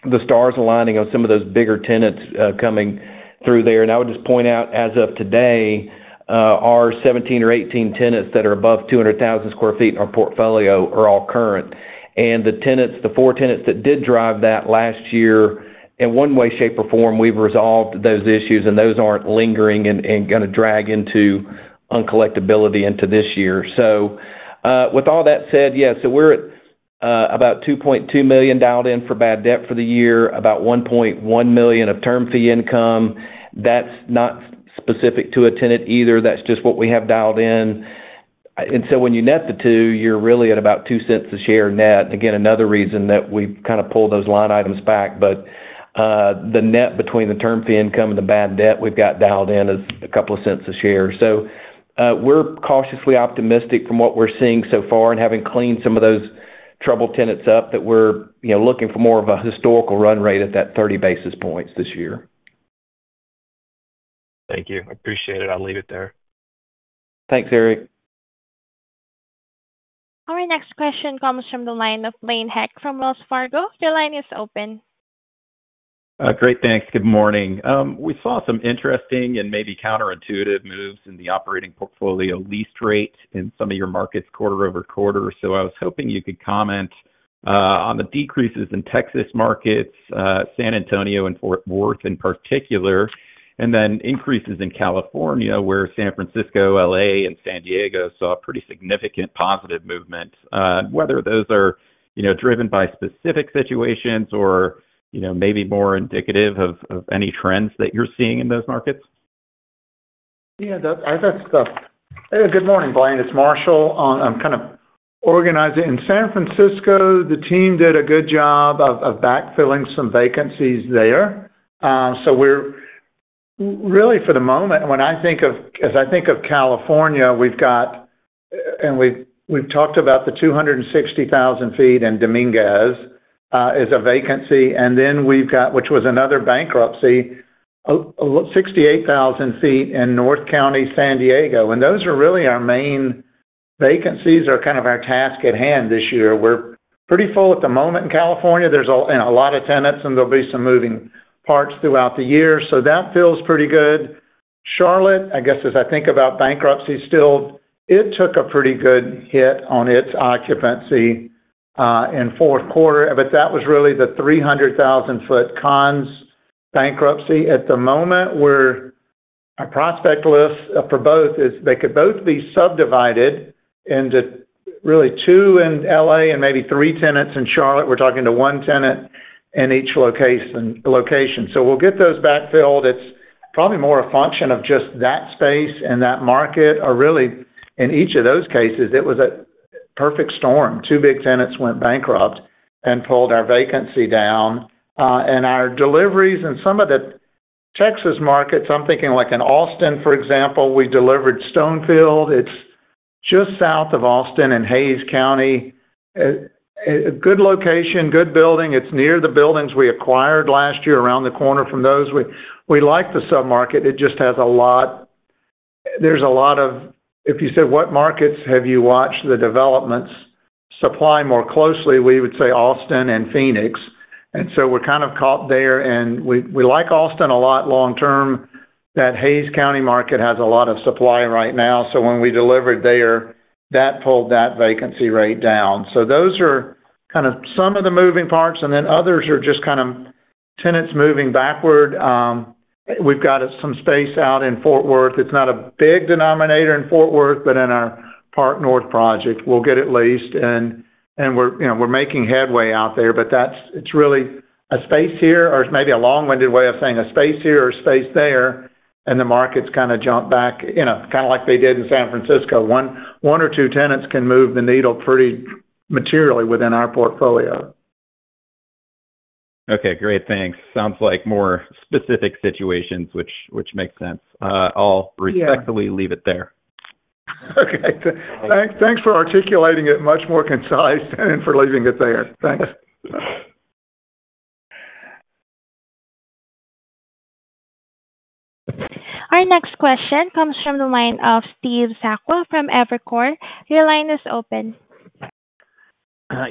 the stars aligning on some of those bigger tenants coming through there. I would just point out, as of today, our 17 or 18 tenants that are above 200,000 sq ft in our portfolio are all current. The tenants, the four tenants that did drive that last year, in one way, shape, or form, we've resolved those issues, and those aren't lingering and going to drag into uncollectibility into this year. With all that said, yeah, so we're at about $2.2 million dialed in for bad debt for the year, about $1.1 million of term fee income. That's not specific to a tenant either. That's just what we have dialed in, and so when you net the two, you're really at about 2 cents a share net. Again, another reason that we've kind of pulled those line items back, but the net between the term fee income and the bad debt we've got dialed in is a couple of cents a share, so we're cautiously optimistic from what we're seeing so far and having cleaned some of those trouble tenants up that we're looking for more of a historical run rate at that 30 basis points this year. Thank you. Appreciate it. I'll leave it there. Thanks, Eric. Our next question comes from the line of Blaine Heck from Wells Fargo. Your line is open. Great. Thanks. Good morning. We saw some interesting and maybe counterintuitive moves in the operating portfolio lease rate in some of your markets quarter-over-quarter. So I was hoping you could comment on the decreases in Texas markets, San Antonio and Fort Worth in particular, and then increases in California where San Francisco, L.A., and San Diego saw pretty significant positive movement. Whether those are driven by specific situations or maybe more indicative of any trends that you're seeing in those markets? Yeah. I got stuff. Good morning, Brian. It's Marshall. I'm kind of organizing. In San Francisco, the team did a good job of backfilling some vacancies there. So really, for the moment, when I think of as I think of California, we've got and we've talked about the 260,000 sq ft in Dominguez is a vacancy. And then we've got, which was another bankruptcy, 68,000 sq ft in North County, San Diego. And those are really our main vacancies or kind of our task at hand this year. We're pretty full at the moment in California. There's a lot of tenants, and there'll be some moving parts throughout the year. So that feels pretty good. Charlotte, I guess as I think about bankruptcy still, it took a pretty good hit on its occupancy in fourth quarter. But that was really the 300,000 sq ft Conn's bankruptcy. At the moment, where our prospect list for both is they could both be subdivided into really two in L.A., and maybe three tenants in Charlotte. We're talking to one tenant in each location. So we'll get those backfilled. It's probably more a function of just that space and that market. Really, in each of those cases, it was a perfect storm. Two big tenants went bankrupt and pulled our vacancy down. And our deliveries in some of the Texas markets, I'm thinking like in Austin, for example, we delivered Stonefield. It's just south of Austin in Hays County. Good location, good building. It's near the buildings we acquired last year around the corner from those. We like the sub-market. It just has a lot there's a lot of if you said, "What markets have you watched the developments supply more closely?" We would say Austin and Phoenix. And so we're kind of caught there, and we like Austin a lot long-term. That Hays County market has a lot of supply right now, so when we delivered there, that pulled that vacancy rate down. So those are kind of some of the moving parts, and then others are just kind of tenants moving backward. We've got some space out in Fort Worth. It's not a big denominator in Fort Worth, but in our Park North project, we'll get at least, and we're making headway out there. But it's really a space here or maybe a long-winded way of saying a space here or a space there, and the markets kind of jump back, kind of like they did in San Francisco. One or two tenants can move the needle pretty materially within our portfolio. Okay. Great. Thanks. Sounds like more specific situations, which makes sense. I'll respectfully leave it there. Okay. Thanks for articulating it much more concise and for leaving it there. Thanks. Our next question comes from the line of Steve Sakwa from Evercore. Your line is open.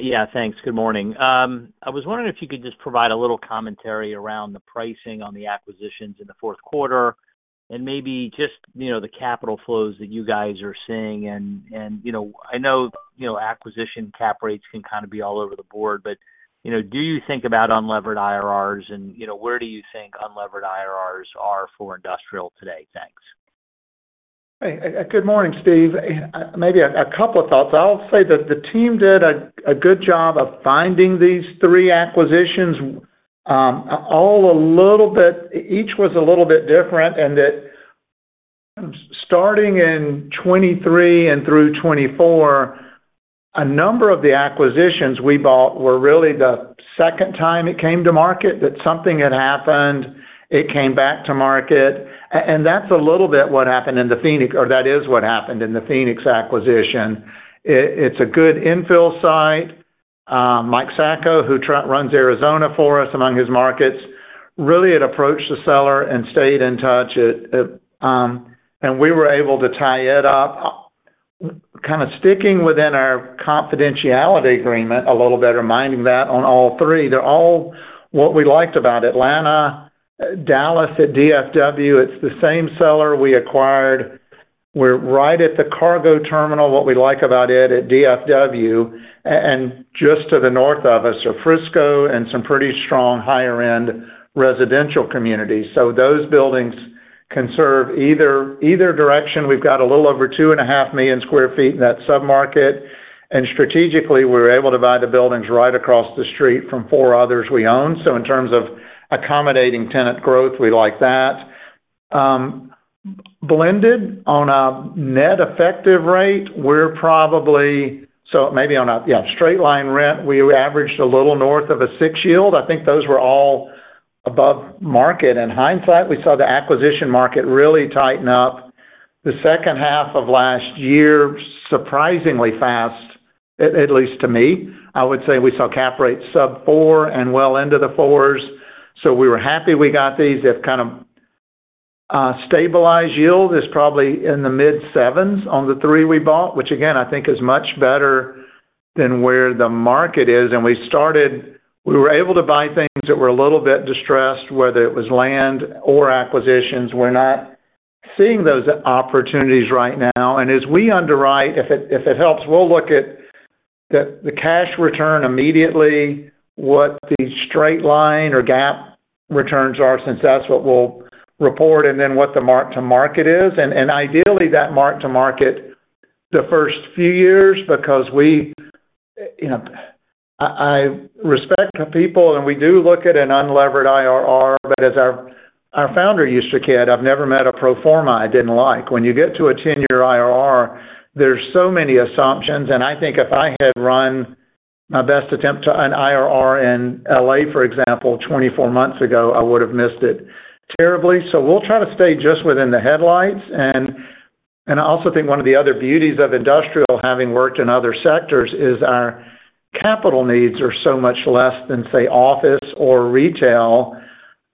Yeah. Thanks. Good morning. I was wondering if you could just provide a little commentary around the pricing on the acquisitions in the fourth quarter and maybe just the capital flows that you guys are seeing. And I know acquisition cap rates can kind of be all over the board, but do you think about unlevered IRRs? And where do you think unlevered IRRs are for industrial today? Thanks. Hey. Good morning, Steve. Maybe a couple of thoughts. I'll say that the team did a good job of finding these three acquisitions, all a little bit each was a little bit different. Starting in 2023 and through 2024, a number of the acquisitions we bought were really the second time it came to market that something had happened. It came back to market. That's a little bit what happened in the Phoenix acquisition. It is what happened in the Phoenix acquisition. It's a good infill site. Mike Sacco, who runs Arizona for us among his markets, really had approached the seller and stayed in touch. We were able to tie it up, kind of sticking within our confidentiality agreement a little bit, reminding that on all three. They're all what we liked about Atlanta, Dallas at DFW. It's the same seller we acquired. We're right at the cargo terminal, what we like about it at DFW. Just to the north of us are Frisco and some pretty strong higher-end residential communities. Those buildings can serve either direction. We've got a little over 2.5 million sq ft in that sub-market. Strategically, we were able to buy the buildings right across the street from four others we own. In terms of accommodating tenant growth, we like that. Blended on a net effective rate, we're probably on a straight-line rent, we averaged a little north of a six yield. I think those were all above market. In hindsight, we saw the acquisition market really tighten up the second half of last year surprisingly fast, at least to me. I would say we saw cap rates sub four and well into the fours. We were happy we got these. They've kind of stabilized. Yield is probably in the mid-sevens on the three we bought, which, again, I think is much better than where the market is. We started we were able to buy things that were a little bit distressed, whether it was land or acquisitions. We're not seeing those opportunities right now. As we underwrite, if it helps, we'll look at the cash return immediately, what the straight line or GAAP returns are since that's what we'll report, and then what the mark-to-market is. Ideally, that mark-to-market the first few years because I respect people, and we do look at an unlevered IRR. But as our founder used to kid, "I've never met a pro forma I didn't like." When you get to a 10-year IRR, there's so many assumptions. And I think if I had run my best attempt to an IRR in L.A., for example, 24 months ago, I would have missed it terribly. So we'll try to stay just within the headlights. And I also think one of the other beauties of industrial, having worked in other sectors, is our capital needs are so much less than, say, office or retail.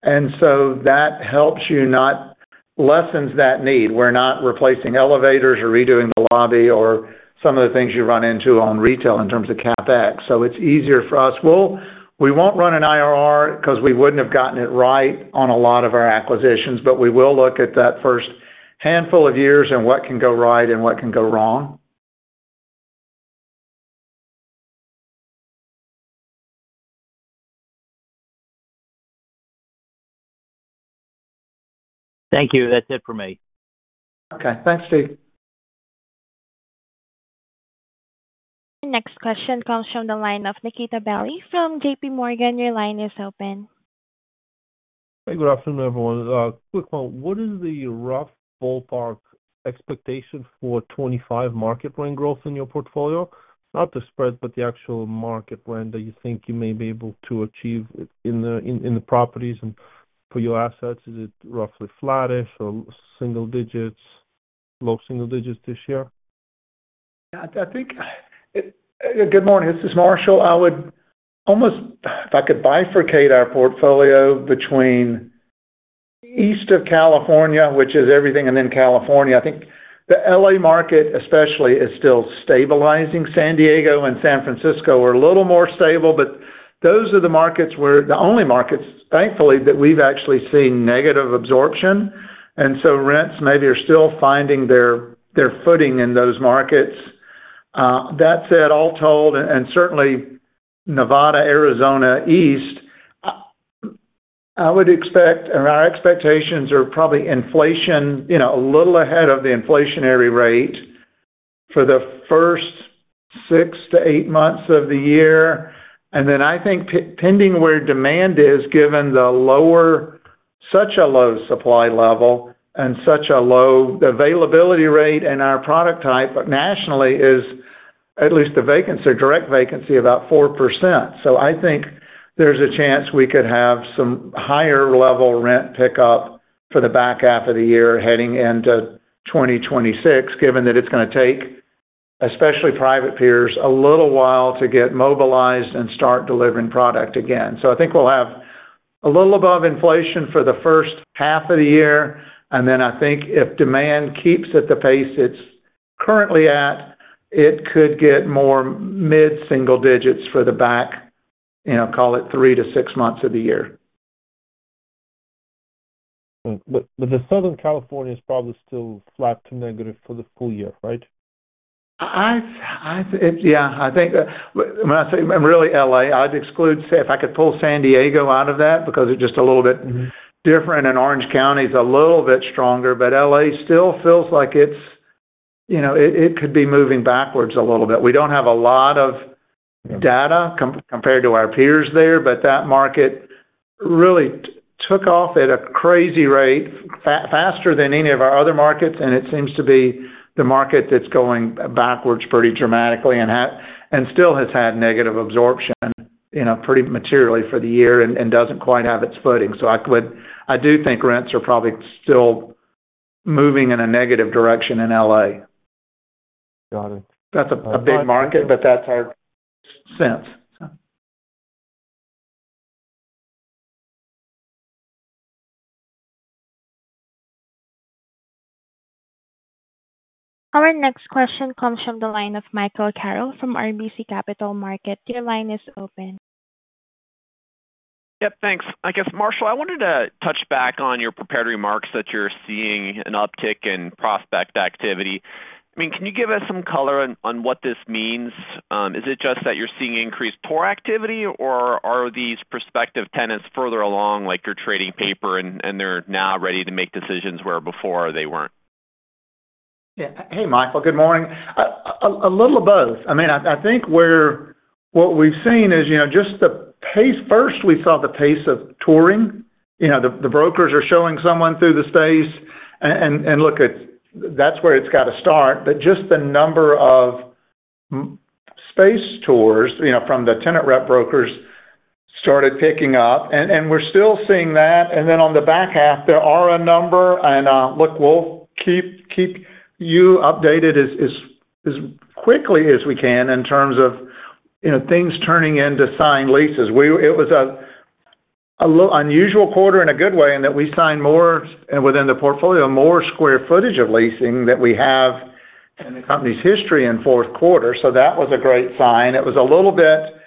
And so that helps you not lessens that need. We're not replacing elevators or redoing the lobby or some of the things you run into on retail in terms of CapEx. So it's easier for us. We won't run an IRR because we wouldn't have gotten it right on a lot of our acquisitions, but we will look at that first handful of years and what can go right and what can go wrong. Thank you. That's it for me. Okay. Thanks, Steve. Our next question comes from the line of Nikita Bely from JPMorgan. Your line is open. Hey. Good afternoon, everyone. Quick one. What is the rough ballpark expectation for 2025 market rent growth in your portfolio? Not the spread, but the actual market rent that you think you may be able to achieve in the properties and for your assets. Is it roughly flattish or single digits, low single digits this year? Yeah. Good morning. This is Marshall. I would almost, if I could, bifurcate our portfolio between east of California, which is everything, and then California. I think the L.A. market, especially, is still stabilizing. San Diego and San Francisco are a little more stable, but those are the markets, the only markets, thankfully, that we've actually seen negative absorption. So rents maybe are still finding their footing in those markets. That said, all told, and certainly Nevada, Arizona east, I would expect, and our expectations are probably inflation a little ahead of the inflationary rate for the first six to eight months of the year. Then I think depending where demand is, given such a low supply level and such a low availability rate in our product type nationally, is at least the vacancy or direct vacancy about 4%. So, I think there's a chance we could have some higher-level rent pickup for the back half of the year heading into 2026, given that it's going to take, especially private peers, a little while to get mobilized and start delivering product again. So, I think we'll have a little above inflation for the first half of the year. And then, I think if demand keeps at the pace it's currently at, it could get more mid-single digits for the back, call it three to six months of the year. But the Southern California is probably still flat to negative for the full year, right? Yeah. I think when I say really L.A., I'd exclude if I could pull San Diego out of that because it's just a little bit different and Orange County is a little bit stronger, but L.A. still feels like it could be moving backwards a little bit. We don't have a lot of data compared to our peers there, but that market really took off at a crazy rate, faster than any of our other markets, and it seems to be the market that's going backwards pretty dramatically and still has had negative absorption pretty materially for the year and doesn't quite have its footing, so I do think rents are probably still moving in a negative direction in L.A. Got it. That's a big market, but that's our sense. Our next question comes from the line of Michael Carroll from RBC Capital Markets. Your line is open. Yep. Thanks. I guess, Marshall, I wanted to touch back on your prepared remarks that you're seeing an uptick in prospect activity. I mean, can you give us some color on what this means? Is it just that you're seeing increased tour activity, or are these prospective tenants further along, like you're trading paper, and they're now ready to make decisions where before they weren't? Yeah. Hey, Michael. Good morning. A little of both. I mean, I think what we've seen is just the pace. First, we saw the pace of touring. The brokers are showing someone through the space, and look, that's where it's got to start. But just the number of space tours from the tenant rep brokers started picking up. And we're still seeing that. And then on the back half, there are a number. And look, we'll keep you updated as quickly as we can in terms of things turning into signed leases. It was an unusual quarter in a good way in that we signed more within the portfolio, more square footage of leasing that we have in the company's history in fourth quarter. So that was a great sign. It was a little bit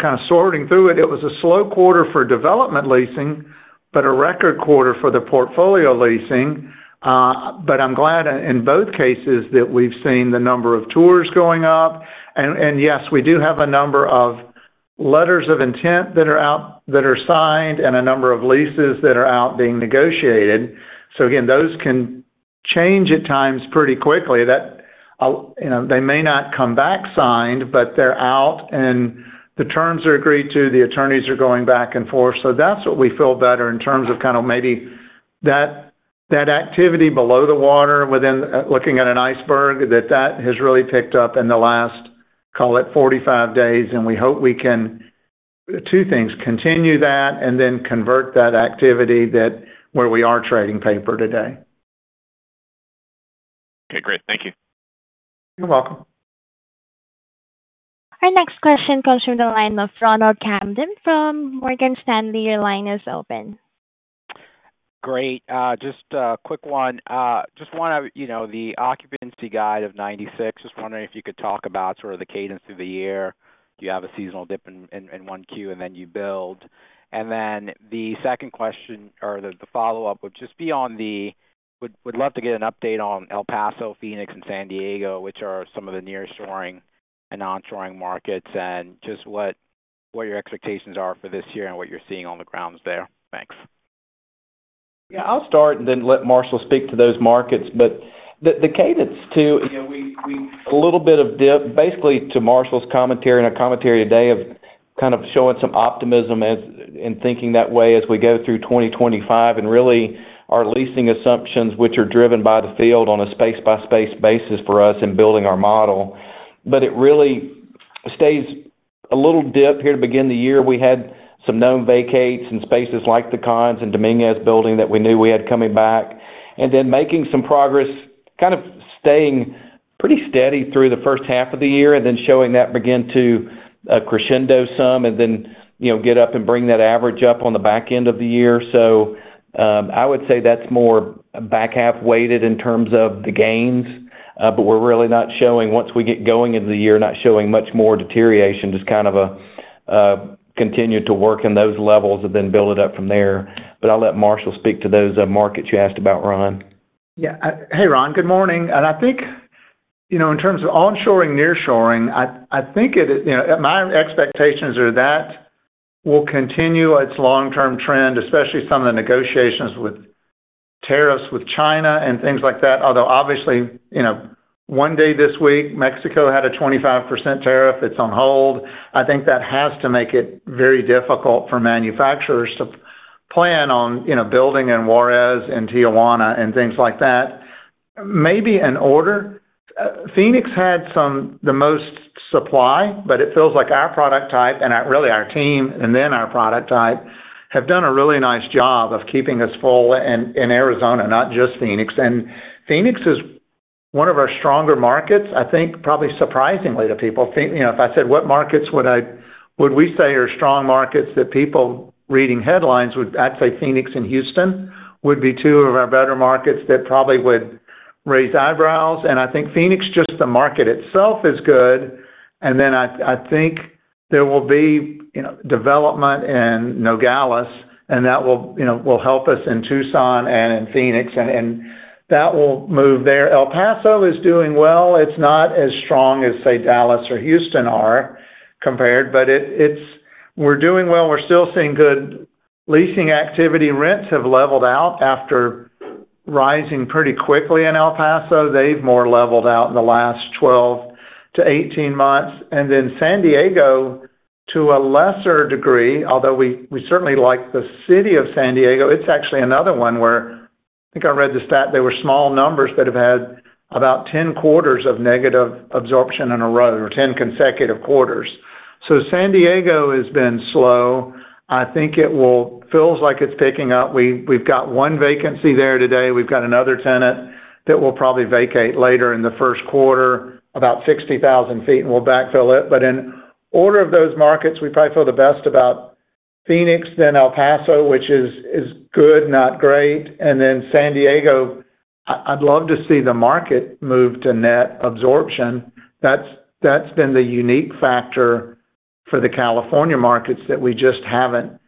kind of sorting through it. It was a slow quarter for development leasing, but a record quarter for the portfolio leasing. But I'm glad in both cases that we've seen the number of tours going up. And yes, we do have a number of letters of intent that are out that are signed and a number of leases that are out being negotiated. So again, those can change at times pretty quickly. They may not come back signed, but they're out, and the terms are agreed to. The attorneys are going back and forth. So that's what we feel better in terms of kind of maybe that activity below the water within looking at an iceberg that has really picked up in the last, call it, 45 days. And we hope we can do two things: continue that and then convert that activity where we are trading paper today. Okay. Great. Thank you. You're welcome. Our next question comes from the line of Ron Kamdem from Morgan Stanley. Your line is open. Great. Just a quick one. Just want to know the occupancy guidance of 96%, just wondering if you could talk about sort of the cadence through the year. Do you have a seasonal dip in Q1, and then you build? And then the second question or the follow-up would just be on the would love to get an update on El Paso, Phoenix, and San Diego, which are some of the nearshoring and onshoring markets, and just what your expectations are for this year and what you're seeing on the ground there. Thanks. Yeah. I'll start and then let Marshall speak to those markets, but the cadence too, we have a little bit of a dip, basically to Marshall's commentary and our commentary today of kind of showing some optimism and thinking that way as we go through 2025 and really our leasing assumptions, which are driven by the field on a space-by-space basis for us in building our model, but it really has a little dip here to begin the year. We had some known vacates in spaces like the Conn's and Dominguez building that we knew we had coming back, and then making some progress, kind of staying pretty steady through the first half of the year and then showing that begin to crescendo some and then get up and bring that average up on the back end of the year. So I would say that's more back-half weighted in terms of the gains, but we're really not showing once we get going into the year, not showing much more deterioration, just kind of continue to work in those levels and then build it up from there, but I'll let Marshall speak to those markets you asked about, Ron. Yeah. Hey, Ron. Good morning, and I think in terms of onshoring, nearshoring, I think my expectations are that will continue its long-term trend, especially some of the negotiations with tariffs with China and things like that. Although obviously, one day this week, Mexico had a 25% tariff. It's on hold. I think that has to make it very difficult for manufacturers to plan on building in Juárez and Tijuana and things like that. Maybe in order, Phoenix had the most supply, but it feels like our product type and really our team and then our product type have done a really nice job of keeping us full in Arizona, not just Phoenix. And Phoenix is one of our stronger markets, I think, probably surprisingly to people. If I said, "What markets would we say are strong markets that people reading headlines would," I'd say Phoenix and Houston would be two of our better markets that probably would raise eyebrows. And I think Phoenix, just the market itself, is good. And then I think there will be development in Nogales, and that will help us in Tucson and in Phoenix, and that will move there. El Paso is doing well. It's not as strong as, say, Dallas or Houston are compared, but we're doing well. We're still seeing good leasing activity. Rents have leveled out after rising pretty quickly in El Paso. They've more leveled out in the last 12 to 18 months, and then San Diego, to a lesser degree, although we certainly like the city of San Diego. It's actually another one where I think I read the stat. There were small numbers that have had about 10 quarters of negative absorption in a row or 10 consecutive quarters, so San Diego has been slow. I think it feels like it's picking up. We've got one vacancy there today. We've got another tenant that will probably vacate later in the first quarter, about 60,000 sq ft, and we'll backfill it, but in order of those markets, we probably feel the best about Phoenix, then El Paso, which is good, not great, and then San Diego. I'd love to see the market move to net absorption. That's been the unique factor for the California markets that we just haven't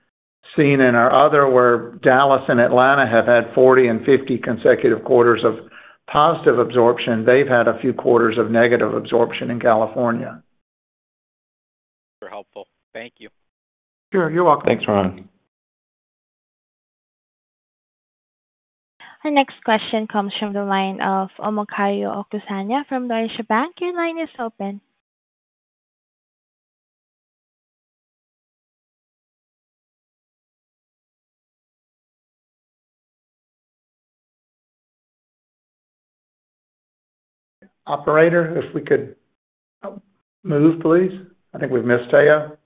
seen in our other markets where Dallas and Atlanta have had 40 and 50 consecutive quarters of positive absorption. They've had a few quarters of negative absorption in California. Those are helpful. Thank you. Sure. You're welcome. Thanks, Ron. Our next question comes from the line of Omotayo Okusanya from Deutsche Bank. Your line is open. Operator, if we could move, please. I think we've missed Omotayo All right.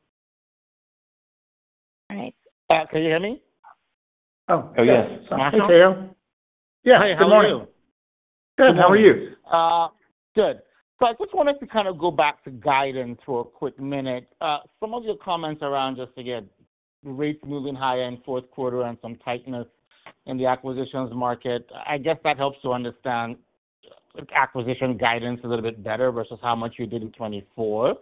Can you hear me? Oh, yes. Omotayo? Yeah. Hey. How are you? Good. How are you? Good. So I just wanted to kind of go back to guidance for a quick minute. Some of your comments around just, again, rates moving higher in fourth quarter and some tightness in the acquisitions market. I guess that helps to understand acquisition guidance a little bit better versus how much you did in 2024.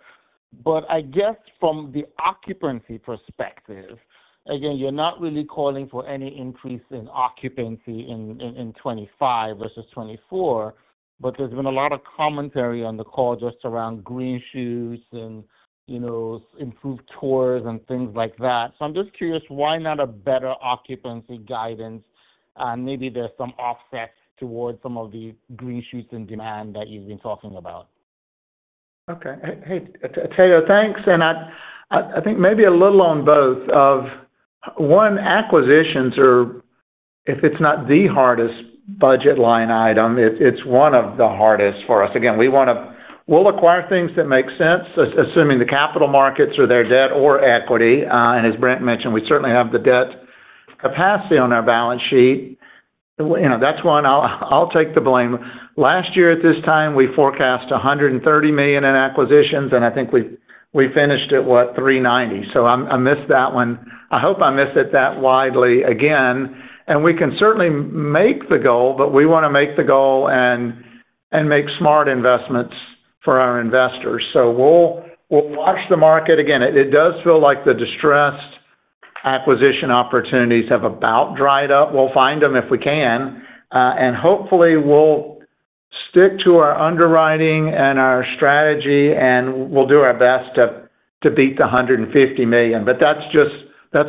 But I guess from the occupancy perspective, again, you're not really calling for any increase in occupancy in 2025 versus 2024, but there's been a lot of commentary on the call just around green shoots and improved tours and things like that. So I'm just curious, why not a better occupancy guidance? Maybe there's some offset towards some of the green shoots and demand that you've been talking about. Okay. Hey, Omotayo thanks. I think maybe a little on both. One, acquisitions are, if it's not the hardest budget line item, it's one of the hardest for us. Again, we'll acquire things that make sense, assuming the capital markets are there for debt or equity. And as Brent mentioned, we certainly have the debt capacity on our balance sheet. That's one. I'll take the blame. Last year at this time, we forecast $130 million in acquisitions, and I think we finished at, what, $390 million. So I missed that one. I hope I missed it that widely again. And we can certainly make the goal, but we want to make the goal and make smart investments for our investors. So we'll watch the market. Again, it does feel like the distressed acquisition opportunities have about dried up. We'll find them if we can. And hopefully, we'll stick to our underwriting and our strategy, and we'll do our best to beat the $150 million. But that's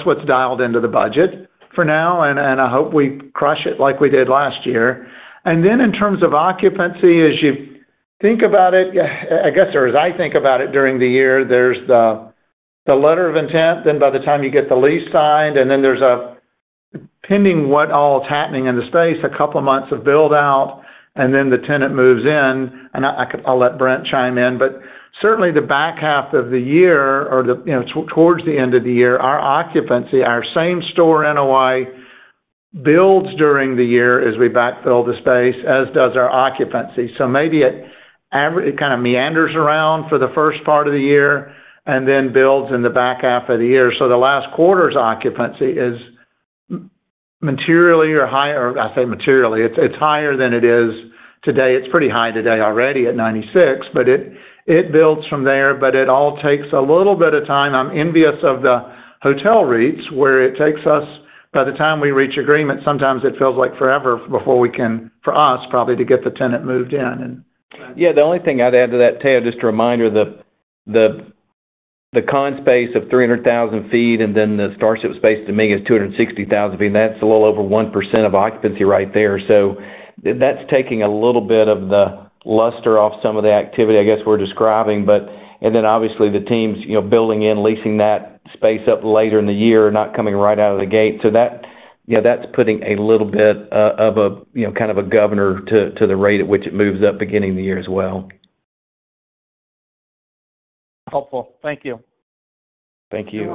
what's dialed into the budget for now, and I hope we crush it like we did last year. And then in terms of occupancy, as you think about it, I guess, or as I think about it during the year, there's the letter of intent, then by the time you get the lease signed, and then there's a pending what all is happening in the space, a couple of months of build-out, and then the tenant moves in. And I'll let Brent chime in. But certainly, the back half of the year or towards the end of the year, our occupancy, our Same-Store NOI builds during the year as we backfill the space, as does our occupancy. So maybe it kind of meanders around for the first part of the year and then builds in the back half of the year. So the last quarter's occupancy is materially or higher. I say materially; it's higher than it is today. It's pretty high today already at 96%, but it builds from there. But it all takes a little bit of time. I'm envious of the hotel rates where it takes us. By the time we reach agreement, sometimes it feels like forever before we can, for us, probably to get the tenant moved in. Yeah. The only thing I'd add to that, there, just a reminder, the Conn's space of 300,000 sq ft and then the Starship space to me is 260,000 sq ft. And that's a little over 1% of occupancy right there. So that's taking a little bit of the luster off some of the activity, I guess, we're describing. And then obviously, the tenants building in, leasing that space up later in the year, not coming right out of the gate. So that's putting a little bit of a kind of a governor to the rate at which it moves up beginning of the year as well. Helpful. Thank you. Thank you.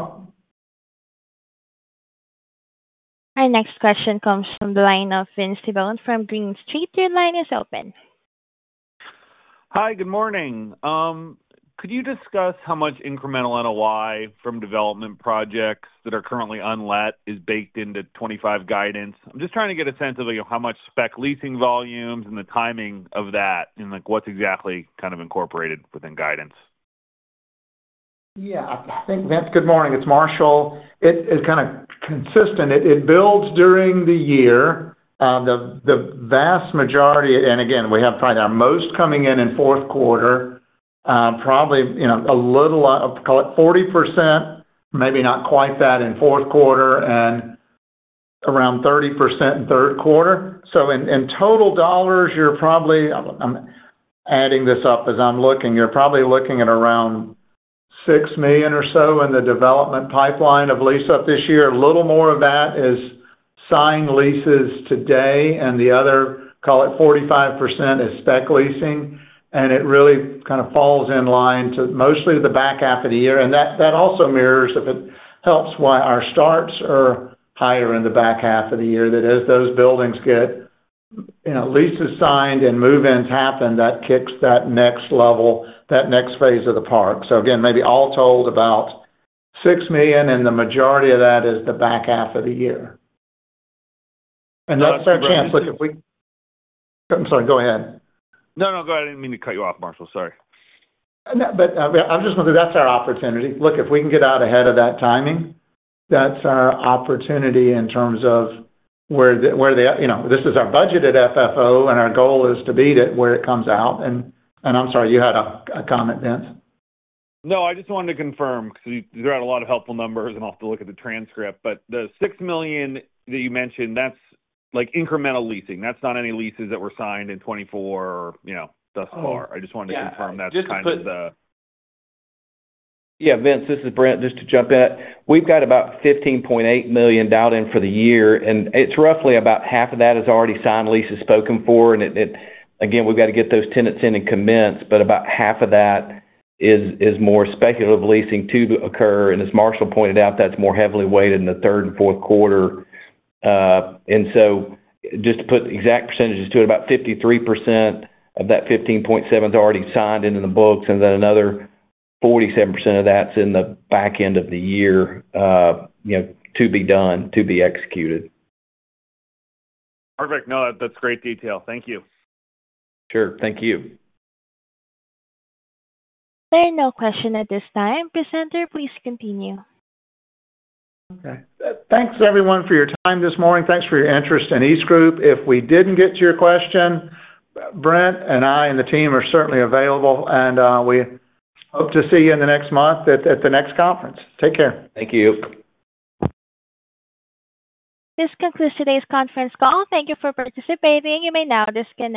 Our next question comes from the line of Vince Tibone from Green Street. Your line is open. Hi. Good morning. Could you discuss how much incremental NOI from development projects that are currently unlet is baked into 2025 guidance? I'm just trying to get a sense of how much spec leasing volumes and the timing of that and what's exactly kind of incorporated within guidance. Yeah. Good morning. It's Marshall. It's kind of consistent. It builds during the year. The vast majority, and again, we have probably our most coming in in fourth quarter, probably a little, call it 40%, maybe not quite that in fourth quarter, and around 30% in third quarter. So in total dollars, you're probably. I'm adding this up as I'm looking. You're probably looking at around $6 million or so in the development pipeline of lease up this year. A little more of that is signed leases today, and the other, call it 45%, is spec leasing. And it really kind of falls in line to mostly the back half of the year. And that also mirrors, if it helps, why our starts are higher in the back half of the year, that as those buildings get leases signed and move-ins happen, that kicks that next level, that next phase of the park. So again, maybe all told about $6 million, and the majority of that is the back half of the year. And that's our chance. Look, if we, I'm sorry. Go ahead. No, no. Go ahead. I didn't mean to cut you off, Marshall. Sorry. But I'm just going to say that's our opportunity. Look, if we can get out ahead of that timing, that's our opportunity in terms of where this is our budgeted FFO, and our goal is to beat it where it comes out. And I'm sorry. You had a comment, Vince? No, I just wanted to confirm because you threw out a lot of helpful numbers, and I'll have to look at the transcript. But the $6 million that you mentioned, that's incremental leasing. That's not any leases that were signed in 2024 or thus far. I just wanted to confirm that's kind of the. Yeah. Vince, this is Brent just to jump in. We've got about $15.8 million dialed in for the year, and it's roughly about half of that is already signed leases spoken for. And again, we've got to get those tenants in and commence, but about half of that is more speculative leasing to occur. And as Marshall pointed out, that's more heavily weighted in the third and fourth quarter. And so just to put exact percentages to it, about 53% of that $15.7 million is already signed into the books, and then another 47% of that's in the back end of the year to be done, to be executed. Perfect. No, that's great detail. Thank you. Sure. Thank you. There are no questions at this time. Presenter, please continue. Okay. Thanks, everyone, for your time this morning. Thanks for your interest in EastGroup. If we didn't get to your question, Brent and I and the team are certainly available, and we hope to see you in the next month at the next conference. Take care. Thank you. This concludes today's conference call. Thank you for participating. You may now disconnect.